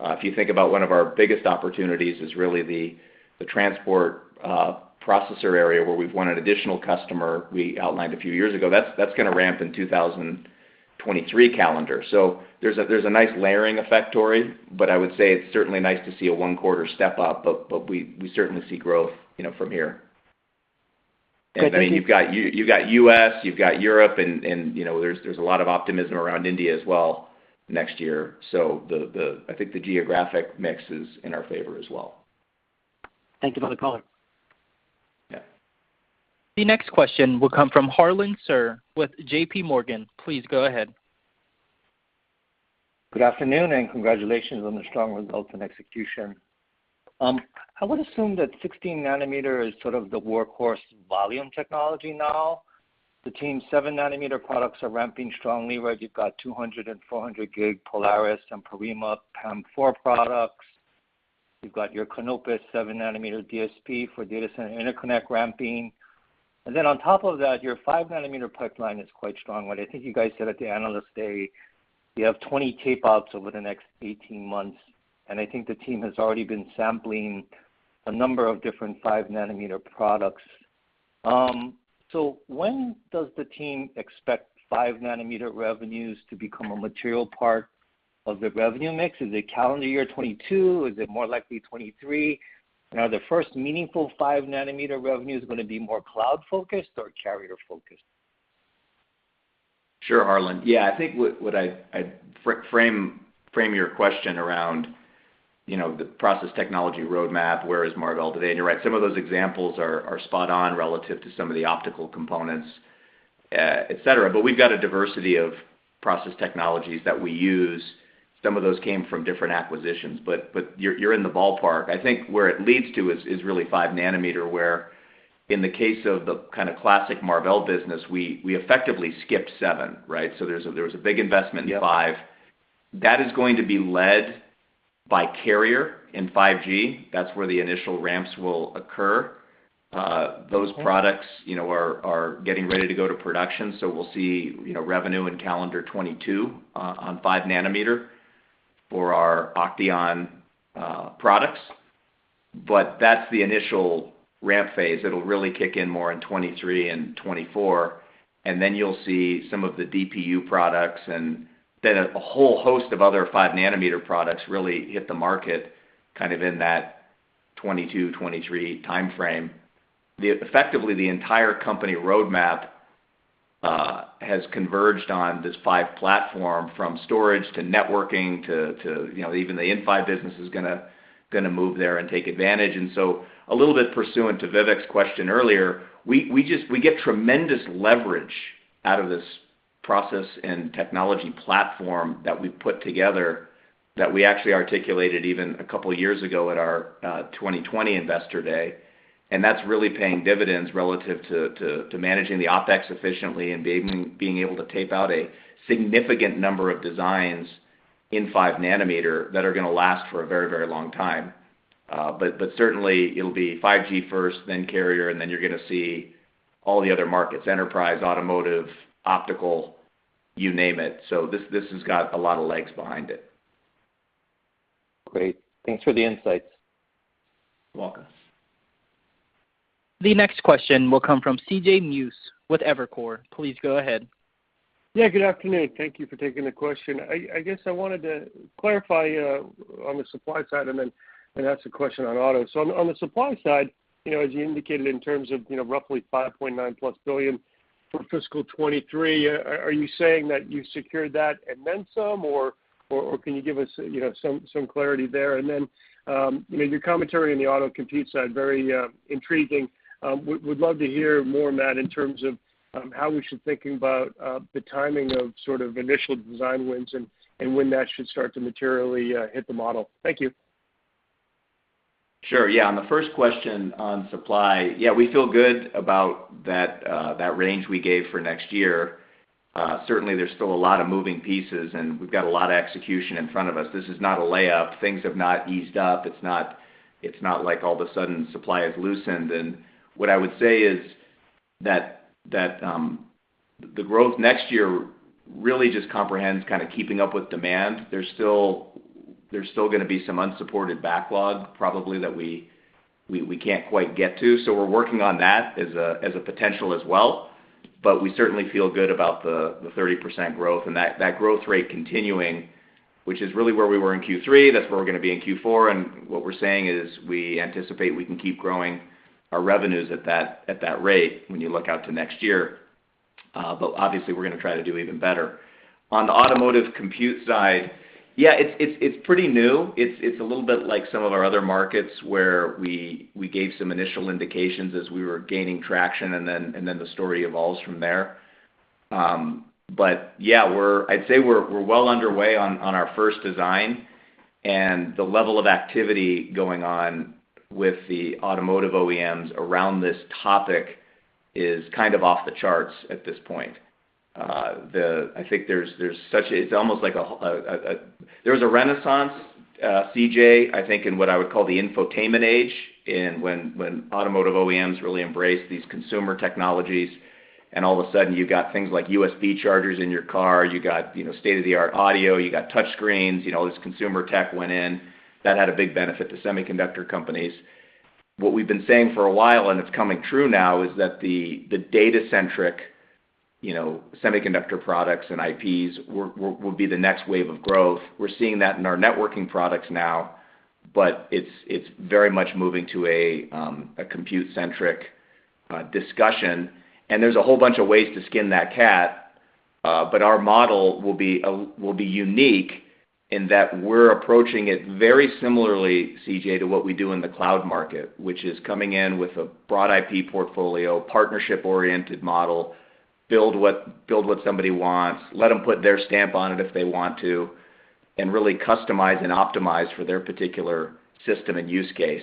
If you think about one of our biggest opportunities is really the transport processor area where we've won an additional customer we outlined a few years ago. That's gonna ramp in 2023 calendar. So there's a nice layering effect, Tor, but I would say it's certainly nice to see a one-quarter step up, but we certainly see growth, you know, from here. Great- I mean, you've got U.S., you've got Europe, and you know, there's a lot of optimism around India as well next year. So, I think the geographic mix is in our favor as well. Thank you for the color. Yeah. The next question will come from Harlan Sur with J.P. Morgan. Please go ahead. Good afternoon, and congratulations on the strong results and execution. I would assume that 16 nanometer is sort of the workhorse volume technology now. The 7 nanometer products are ramping strongly, right? You've got 200 and 400 gig Polaris and Porrima PAM4 products. You've got your Canopus 7 nanometer DSP for data center interconnect ramping. On top of that, your 5-nanometer pipeline is quite strong. What I think you guys said at the Analyst Day, you have 20 tape outs over the next 18 months, and I think the team has already been sampling a number of different 5-nanometer products. When does the team expect 5-nanometer revenues to become a material part of the revenue mix? Is it calendar year 2022? Is it more likely 2023? Are the first meaningful 5-nanometer revenues gonna be more cloud-focused or carrier-focused? Sure, Harlan. Yeah. I think what I'd frame your question around, you know, the process technology roadmap, where is Marvell today? You're right, some of those examples are spot on relative to some of the optical components, et cetera. We've got a diversity of process technologies that we use. Some of those came from different acquisitions, but you're in the ballpark. I think where it leads to is really 5 nanometer, where in the case of the kinda classic Marvell business, we effectively skipped 7, right? There was a big investment in 5. Yep. That is going to be led by carrier in 5G. That's where the initial ramps will occur. Okay. Those products, you know, are getting ready to go to production. We'll see, you know, revenue in calendar 2022 on 5 nanometer for our OCTEON products. That's the initial ramp phase. It'll really kick in more in 2023 and 2024, and then you'll see some of the DPU products and then a whole host of other 5-nanometer products really hit the market kind of in that 2022, 2023 timeframe. Effectively, the entire company roadmap has converged on this 5 platform from storage to networking to, you know, even the Inphi business is gonna move there and take advantage. A little bit pursuant to Vivek's question earlier, we get tremendous leverage out of this process and technology platform that we've put together that we actually articulated even a couple years ago at our 2020 Investor Day, and that's really paying dividends relative to managing the OpEx efficiently and being able to tape out a significant number of designs in 5 nanometer that are gonna last for a very, very long time. But certainly it'll be 5G first, then carrier, and then you're gonna see all the other markets, enterprise, automotive, optical, you name it. This has got a lot of legs behind it. Great. Thanks for the insights. You're welcome. The next question will come from CJ Muse with Evercore. Please go ahead. Yeah, good afternoon. Thank you for taking the question. I guess I wanted to clarify on the supply side and ask a question on auto. On the supply side, you know, as you indicated in terms of, you know, roughly $5.9 billion-plus for fiscal 2023, are you saying that you secured that and then some, or can you give us, you know, some clarity there? You know, your commentary on the auto compute side very intriguing. Would love to hear more, Matt, in terms of how we should think about the timing of sort of initial design wins and when that should start to materially hit the model. Thank you. Sure. Yeah. On the first question on supply, yeah, we feel good about that range we gave for next year. Certainly there's still a lot of moving pieces, and we've got a lot of execution in front of us. This is not a layup. Things have not eased up. It's not like all of a sudden supply has loosened. What I would say is that the growth next year really just comprehends kinda keeping up with demand. There's still gonna be some unsupported backlog probably that we can't quite get to, so we're working on that as a potential as well. We certainly feel good about the 30% growth, and that growth rate continuing, which is really where we were in Q3, that's where we're gonna be in Q4. What we're saying is we anticipate we can keep growing our revenues at that rate when you look out to next year. But obviously, we're gonna try to do even better. On the automotive compute side, yeah, it's pretty new. It's a little bit like some of our other markets, where we gave some initial indications as we were gaining traction, and then the story evolves from there. But yeah, we're well underway on our first design, and the level of activity going on with the automotive OEMs around this topic is kind of off the charts at this point. There was a renaissance, CJ, I think, in what I would call the infotainment age and when automotive OEMs really embraced these consumer technologies, and all of a sudden, you got things like USB chargers in your car, you got, you know, state-of-the-art audio, you got touchscreens. You know, all this consumer tech went in. That had a big benefit to semiconductor companies. What we've been saying for a while, and it's coming true now, is that the data-centric, you know, semiconductor products and IPs will be the next wave of growth. We're seeing that in our networking products now, but it's very much moving to a compute-centric discussion. There's a whole bunch of ways to skin that cat, but our model will be unique in that we're approaching it very similarly, CJ, to what we do in the cloud market, which is coming in with a broad IP portfolio, partnership-oriented model, build what somebody wants, let them put their stamp on it if they want to, and really customize and optimize for their particular system and use case,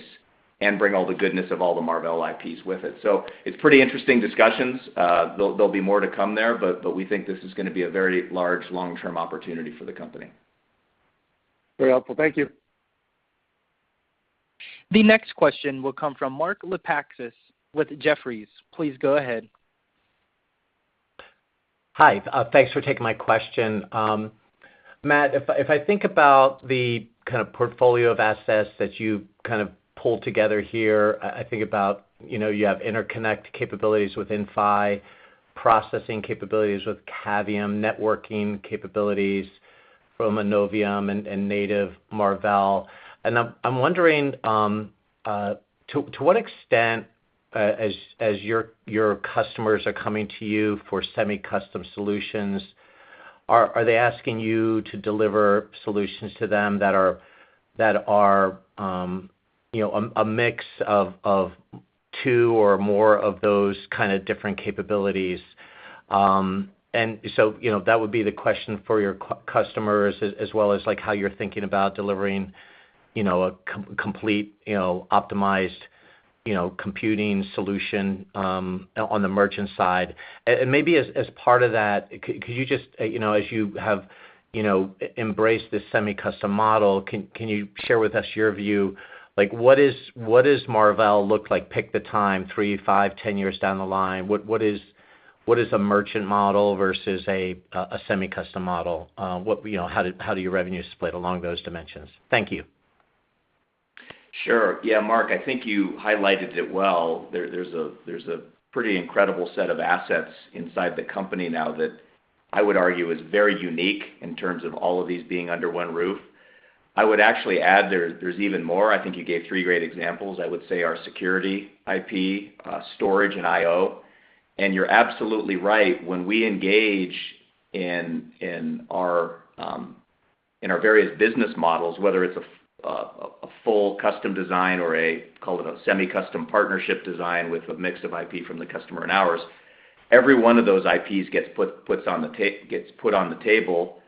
and bring all the goodness of all the Marvell IPs with it. It's pretty interesting discussions. There'll be more to come there, but we think this is gonna be a very large long-term opportunity for the company. Very helpful. Thank you. The next question will come from Mark Lipacis with Jefferies. Please go ahead. Hi, thanks for taking my question. Matt, if I think about the kind of portfolio of assets that you kind of pulled together here, I think about, you know, you have interconnect capabilities within Inphi, processing capabilities with Cavium, networking capabilities from Innovium and native Marvell. I'm wondering to what extent as your customers are coming to you for semi-custom solutions, are they asking you to deliver solutions to them that are, you know, a mix of two or more of those kind of different capabilities? You know, that would be the question for your customers as well as like how you're thinking about delivering, you know, a complete, optimized, computing solution on the merchant side. Maybe as part of that, could you just, you know, as you have, you know, embraced this semi-custom model, can you share with us your view, like what is, what does Marvell look like? Pick the time, 3, 5, 10 years down the line, what is a merchant model versus a semi-custom model? You know, how do your revenues split along those dimensions? Thank you. Sure. Yeah, Mark, I think you highlighted it well. There's a pretty incredible set of assets inside the company now that I would argue is very unique in terms of all of these being under one roof. I would actually add that there's even more. I think you gave three great examples. I would say our security IP, storage, and IO. You're absolutely right, when we engage in our various business models, whether it's a full custom design or call it a semi-custom partnership design with a mix of IP from the customer and ours, every one of those IPs gets put on the table.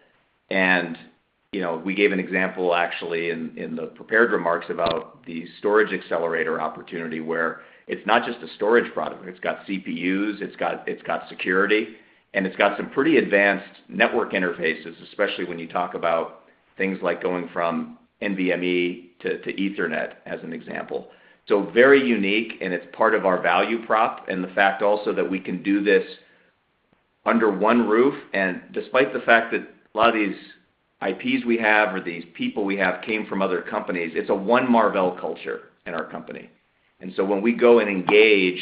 You know, we gave an example actually in the prepared remarks about the storage accelerator opportunity, where it's not just a storage product, it's got CPUs, it's got security, and it's got some pretty advanced network interfaces, especially when you talk about things like going from NVMe to Ethernet, as an example. Very unique, and it's part of our value prop, and the fact also that we can do this under one roof. Despite the fact that a lot of these IPs we have or these people we have came from other companies, it's a one Marvell culture in our company. When we go and engage,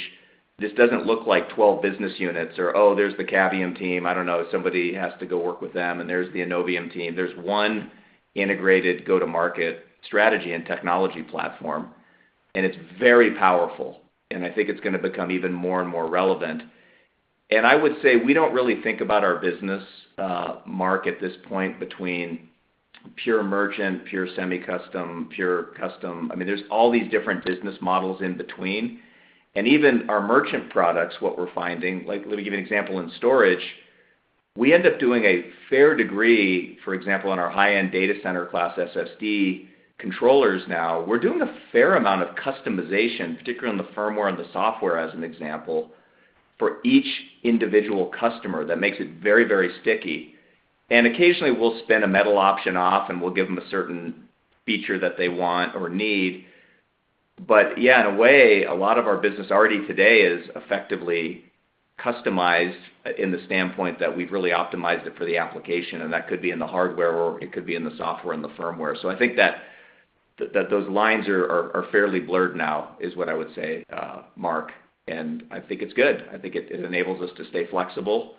this doesn't look like 12 business units or, oh, there's the Cavium team. I don't know if somebody has to go work with them. There's the Innovium team. There's one integrated go-to-market strategy and technology platform, and it's very powerful. I think it's gonna become even more and more relevant. I would say we don't really think about our business, Mark, at this point between pure merchant, pure semi-custom, pure custom. I mean, there's all these different business models in between. Even our merchant products, what we're finding, like let me give you an example in storage. We end up doing a fair degree, for example, on our high-end data center class SSD controllers now, we're doing a fair amount of customization, particularly on the firmware and the software as an example, for each individual customer that makes it very, very sticky. Occasionally, we'll spin a metal option off, and we'll give them a certain feature that they want or need. Yeah, in a way, a lot of our business already today is effectively customized in the standpoint that we've really optimized it for the application, and that could be in the hardware or it could be in the software and the firmware. I think that those lines are fairly blurred now, is what I would say, Mark. I think it's good. I think it enables us to stay flexible.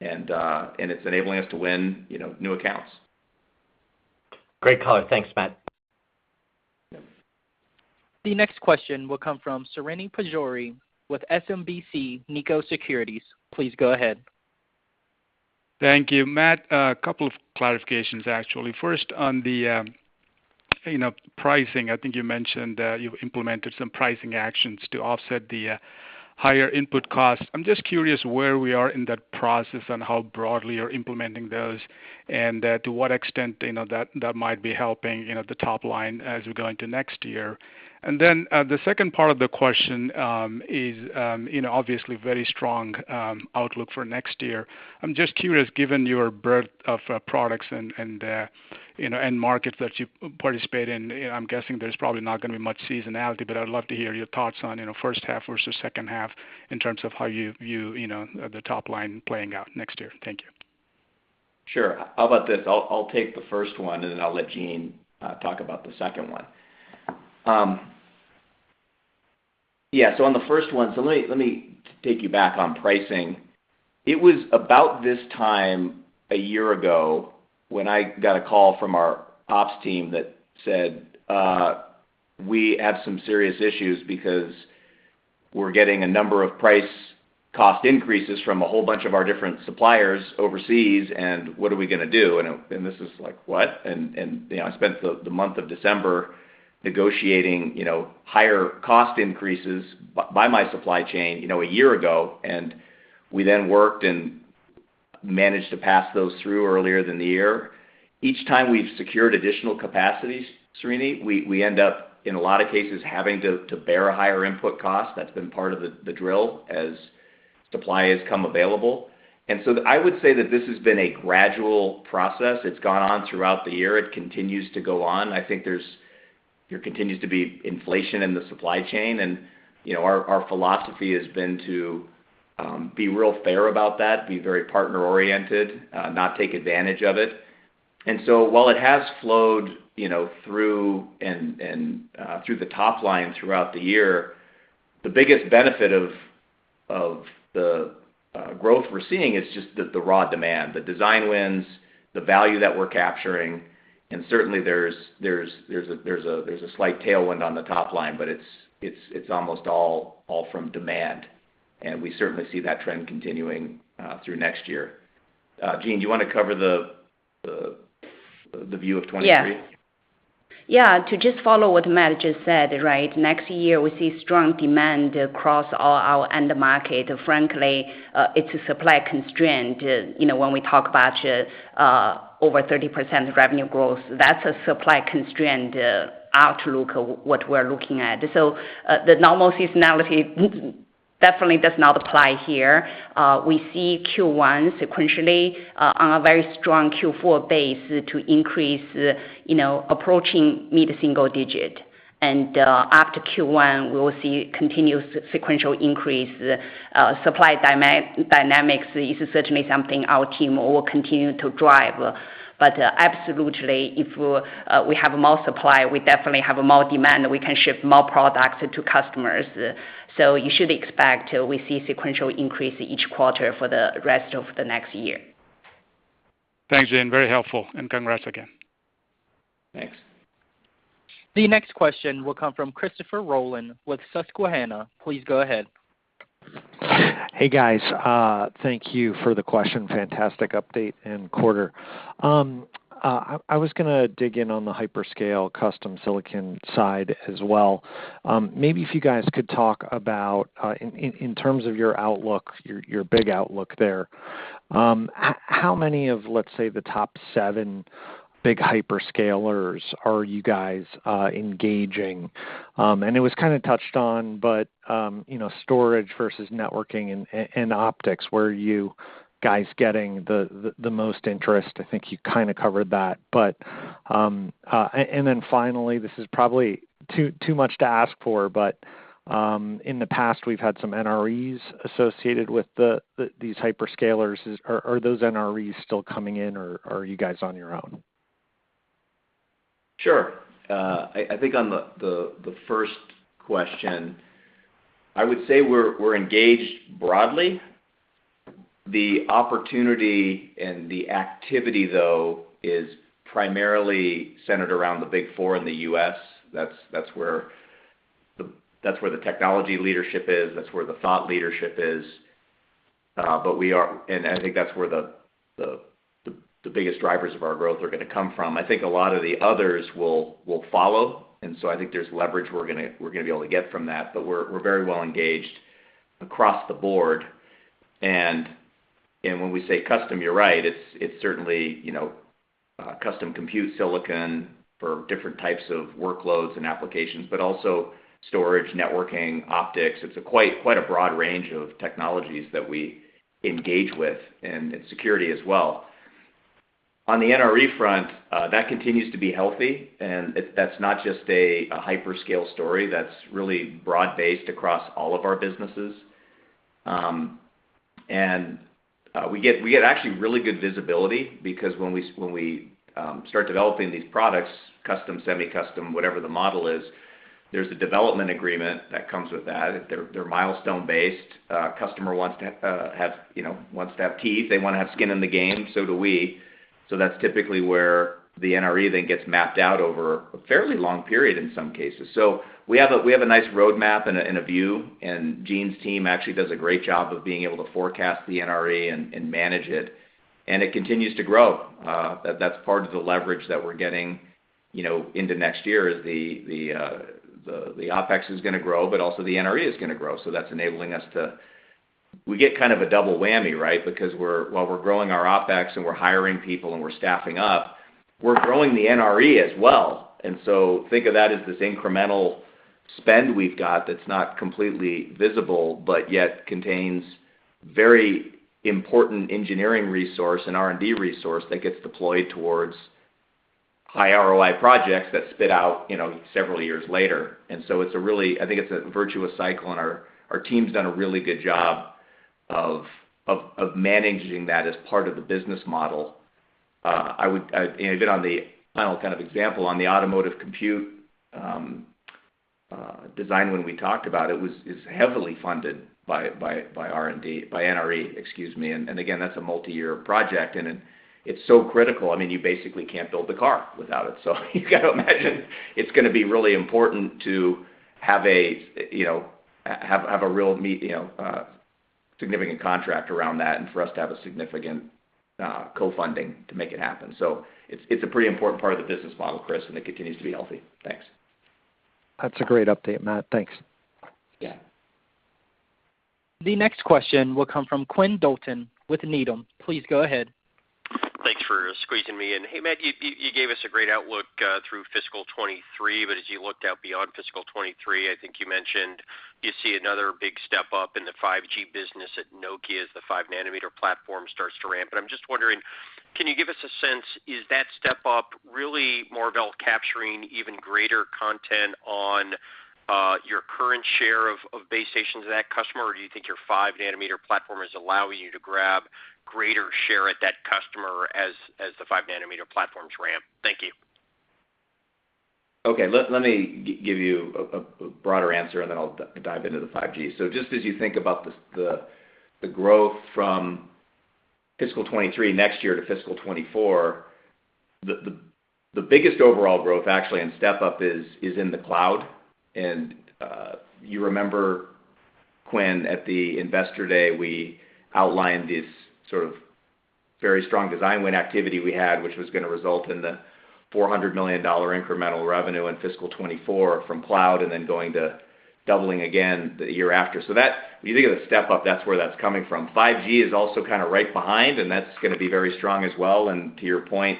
It's enabling us to win, you know, new accounts. Great color. Thanks, Matt. The next question will come from Srini Pajjuri with SMBC Nikko Securities. Please go ahead. Thank you. Matt, a couple of clarifications actually. First, on the you know, pricing. I think you mentioned you've implemented some pricing actions to offset the higher input costs. I'm just curious where we are in that process and how broadly you're implementing those, and to what extent, you know, that might be helping, you know, the top line as we go into next year. The second part of the question is, you know, obviously very strong outlook for next year. I'm just curious, given your breadth of products and, you know, end markets that you participate in, you know, I'm guessing there's probably not gonna be much seasonality, but I'd love to hear your thoughts on, you know, first half versus second half in terms of how you view, you know, the top line playing out next year. Thank you. Sure. How about this? I'll take the first one, and then I'll let Jean talk about the second one. Yeah. On the first one, let me take you back on pricing. It was about this time a year ago when I got a call from our ops team that said, "We have some serious issues because we're getting a number of price cost increases from a whole bunch of our different suppliers overseas, and what are we gonna do?" This is like, "What?" You know, I spent the month of December negotiating, you know, higher cost increases by my supply chain, you know, a year ago. We then worked and managed to pass those through earlier than the year. Each time we've secured additional capacities, Srini, we end up, in a lot of cases, having to bear a higher input cost. That's been part of the drill as supply has come available. I would say that this has been a gradual process. It's gone on throughout the year. It continues to go on. I think there continues to be inflation in the supply chain and, you know, our philosophy has been to be real fair about that, be very partner-oriented, not take advantage of it. While it has flowed through and through the top line throughout the year, the biggest benefit of the growth we're seeing is just the raw demand, the design wins, the value that we're capturing. Certainly there's a slight tailwind on the top line, but it's almost all from demand. We certainly see that trend continuing through next year. Jean, do you wanna cover the view of 2023? To just follow what Matt just said, right? Next year, we see strong demand across all our end markets. Frankly, it's a supply constraint. You know, when we talk about over 30% revenue growth, that's a supply-constrained outlook, what we're looking at. The normal seasonality definitely does not apply here. We see Q1 sequentially on a very strong Q4 base to increase, you know, approaching mid-single digit. After Q1, we will see continuous sequential increase. Supply dynamics is certainly something our team will continue to drive. But absolutely, if we have more supply, we definitely have more demand. We can ship more products to customers. You should expect we see sequential increase each quarter for the rest of the next year. Thanks, Jean. Very helpful, and congrats again. Thanks. The next question will come from Christopher Rolland with Susquehanna. Please go ahead. Hey, guys. Thank you for the question. Fantastic update and quarter. I was gonna dig in on the hyperscale custom silicon side as well. Maybe if you guys could talk about, in terms of your outlook, your big outlook there, how many of, let's say, the top seven big hyperscalers are you guys engaging? It was kinda touched on, but you know, storage versus networking and optics, where are you guys getting the most interest? I think you kinda covered that. And then finally, this is probably too much to ask for, but in the past, we've had some NREs associated with these hyperscalers. Are those NREs still coming in, or are you guys on your own? Sure. I think on the first question, I would say we're engaged broadly. The opportunity and the activity, though, is primarily centered around the big four in the U.S. That's where the technology leadership is, that's where the thought leadership is. I think that's where the biggest drivers of our growth are gonna come from. I think a lot of the others will follow, and so I think there's leverage we're gonna be able to get from that. We're very well engaged across the board. When we say custom, you're right, it's certainly, you know, custom compute silicon for different types of workloads and applications, but also storage, networking, optics. It's quite a broad range of technologies that we engage with, and security as well. On the NRE front, that continues to be healthy. That's not just a hyperscale story. That's really broad-based across all of our businesses. We get actually really good visibility because when we start developing these products, custom, semi-custom, whatever the model is, there's a development agreement that comes with that. They're milestone-based. Customer wants to, you know, have teeth. They wanna have skin in the game, so do we. That's typically where the NRE then gets mapped out over a fairly long period in some cases. We have a nice roadmap and a view, and Jean's team actually does a great job of being able to forecast the NRE and manage it, and it continues to grow. That's part of the leverage that we're getting, you know, into next year is the OpEx is gonna grow, but also the NRE is gonna grow. That's enabling us to get kind of a double whammy, right? Because while we're growing our OpEx and we're hiring people and we're staffing up, we're growing the NRE as well. Think of that as this incremental spend we've got that's not completely visible, but yet contains very important engineering resource and R&D resource that gets deployed towards high ROI projects that spit out, you know, several years later. It's a really, I think it's a virtuous cycle, and our team's done a really good job of managing that as part of the business model. You know, even on the final kind of example on the automotive compute design win we talked about, it is heavily funded by R&D, by NRE, excuse me. Again, that's a multi-year project, and it's so critical. I mean, you basically can't build the car without it. You gotta imagine it's gonna be really important to have a, you know, significant contract around that and for us to have a significant co-funding to make it happen. It's a pretty important part of the business model, Chris, and it continues to be healthy. Thanks. That's a great update, Matt. Thanks. Yeah. The next question will come from Quinn Bolton with Needham. Please go ahead. Squeezing me in. Hey, Matt, you gave us a great outlook through fiscal 2023. As you looked out beyond fiscal 2023, I think you mentioned you see another big step up in the 5G business at Nokia as the 5 nanometer platform starts to ramp. I'm just wondering, can you give us a sense, is that step up really Marvell capturing even greater content on your current share of base stations of that customer? Or do you think your 5 nanometer platform is allowing you to grab greater share at that customer as the 5 nanometer platforms ramp? Thank you. Okay. Let me give you a broader answer, and then I'll dive into the 5G. Just as you think about the growth from fiscal 2023 next year to fiscal 2024, the biggest overall growth actually, and step up is in the cloud. You remember Quinn at the Investor Day, we outlined this sort of very strong design win activity we had, which was gonna result in the $400 million incremental revenue in fiscal 2024 from cloud and then going to doubling again the year after. That, when you think of the step up, that's where that's coming from. 5G is also kind of right behind, and that's gonna be very strong as well. To your point,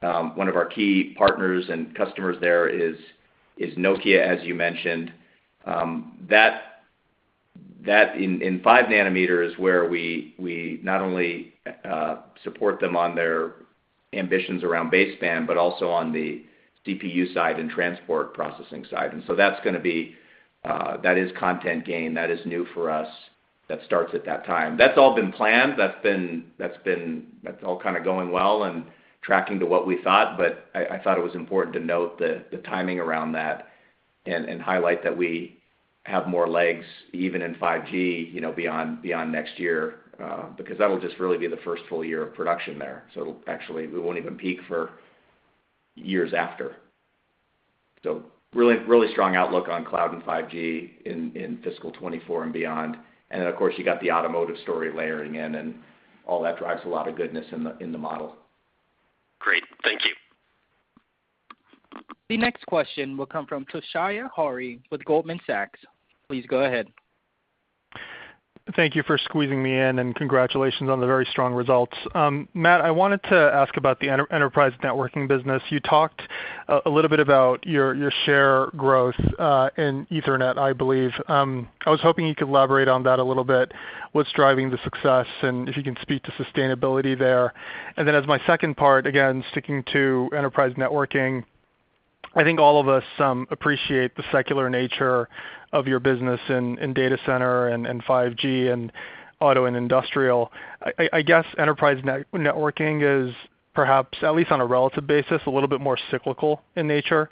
one of our key partners and customers there is Nokia, as you mentioned. That and 5-nanometer is where we not only support them on their ambitions around baseband, but also on the DPU side and transport processing side. That's gonna be content gain. That is new for us. That starts at that time. That's all been planned. That's all kinda going well and tracking to what we thought. I thought it was important to note the timing around that and highlight that we have more legs even in 5G, you know, beyond next year because that'll just really be the first full year of production there. Actually, we won't even peak for years after. Really strong outlook on cloud and 5G in fiscal 2024 and beyond. Of course, you got the automotive story layering in and all that drives a lot of goodness in the model. Great. Thank you. The next question will come from Toshiya Hari with Goldman Sachs. Please go ahead. Thank you for squeezing me in, and congratulations on the very strong results. Matt, I wanted to ask about the enterprise networking business. You talked a little bit about your share growth in Ethernet, I believe. I was hoping you could elaborate on that a little bit, what's driving the success, and if you can speak to sustainability there. Then as my second part, again, sticking to enterprise networking, I think all of us appreciate the secular nature of your business in data center and 5G and auto and industrial. I guess enterprise networking is perhaps, at least on a relative basis, a little bit more cyclical in nature.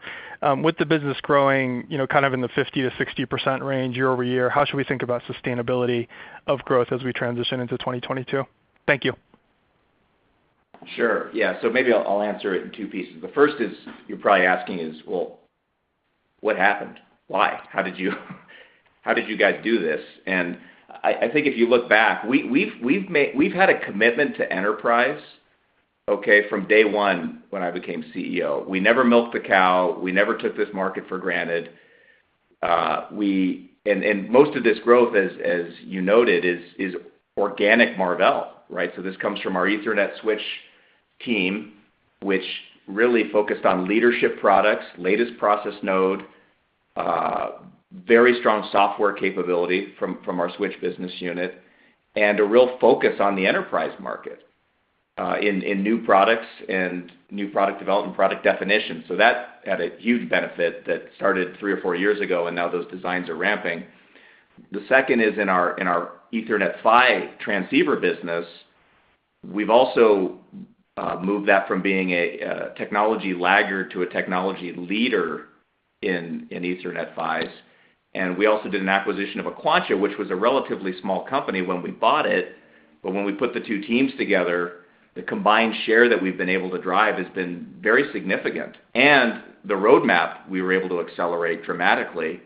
With the business growing, you know, kind of in the 50%-60% range year-over-year, how should we think about sustainability of growth as we transition into 2022? Thank you. Sure. Yeah. Maybe I'll answer it in two pieces. The first is, you're probably asking is, well, what happened? Why? How did you guys do this? I think if you look back, we've had a commitment to enterprise, okay, from day one when I became CEO. We never milked the cow. We never took this market for granted. Most of this growth, as you noted, is organic Marvell, right? This comes from our Ethernet switch team, which really focused on leadership products, latest process node, very strong software capability from our switch business unit, and a real focus on the enterprise market, in new products and new product development, product definition. That had a huge benefit that started 3 or 4 years ago, and now those designs are ramping. The second is in our Ethernet PHY transceiver business, we've also moved that from being a technology laggard to a technology leader in Ethernet PHYs. We also did an acquisition of Aquantia, which was a relatively small company when we bought it. When we put the two teams together, the combined share that we've been able to drive has been very significant. The roadmap we were able to accelerate dramatically.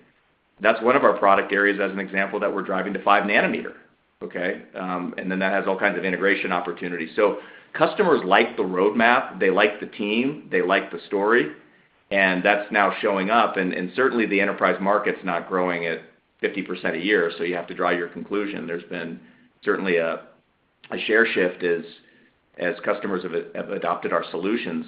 That's one of our product areas, as an example, that we're driving to 5 nanometer, okay? That has all kinds of integration opportunities. Customers like the roadmap, they like the team, they like the story, and that's now showing up. Certainly the enterprise market's not growing at 50% a year, so you have to draw your conclusion. There's been certainly a share shift as customers have adopted our solutions.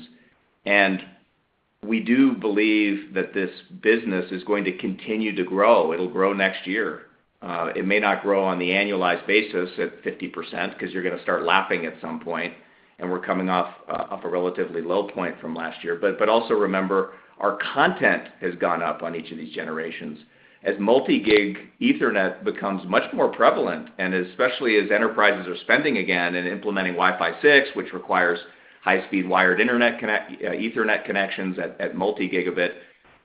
We do believe that this business is going to continue to grow. It'll grow next year. It may not grow on the annualized basis at 50%, 'cause you're gonna start lapping at some point, and we're coming off a relatively low point from last year. Also remember, our content has gone up on each of these generations. As multi-gig Ethernet becomes much more prevalent, and especially as enterprises are spending again and implementing Wi-Fi 6, which requires high-speed wired internet Ethernet connections at multi-gigabit,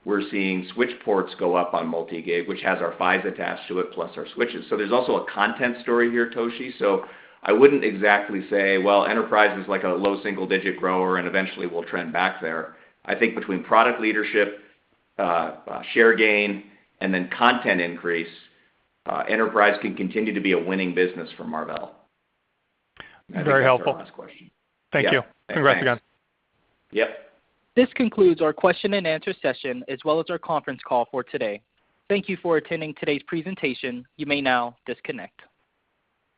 we're seeing switch ports go up on multi-gig, which has our PHYs attached to it, plus our switches. There's also a content story here, Toshi. I wouldn't exactly say, well, enterprise is like a low single digit grower, and eventually we'll trend back there. I think between product leadership, share gain, and then content increase, enterprise can continue to be a winning business for Marvell. Very helpful. That's our last question. Thank you. Yeah. Congrats again. Thanks. Yep. This concludes our question and answer session, as well as our conference call for today. Thank you for attending today's presentation. You may now disconnect.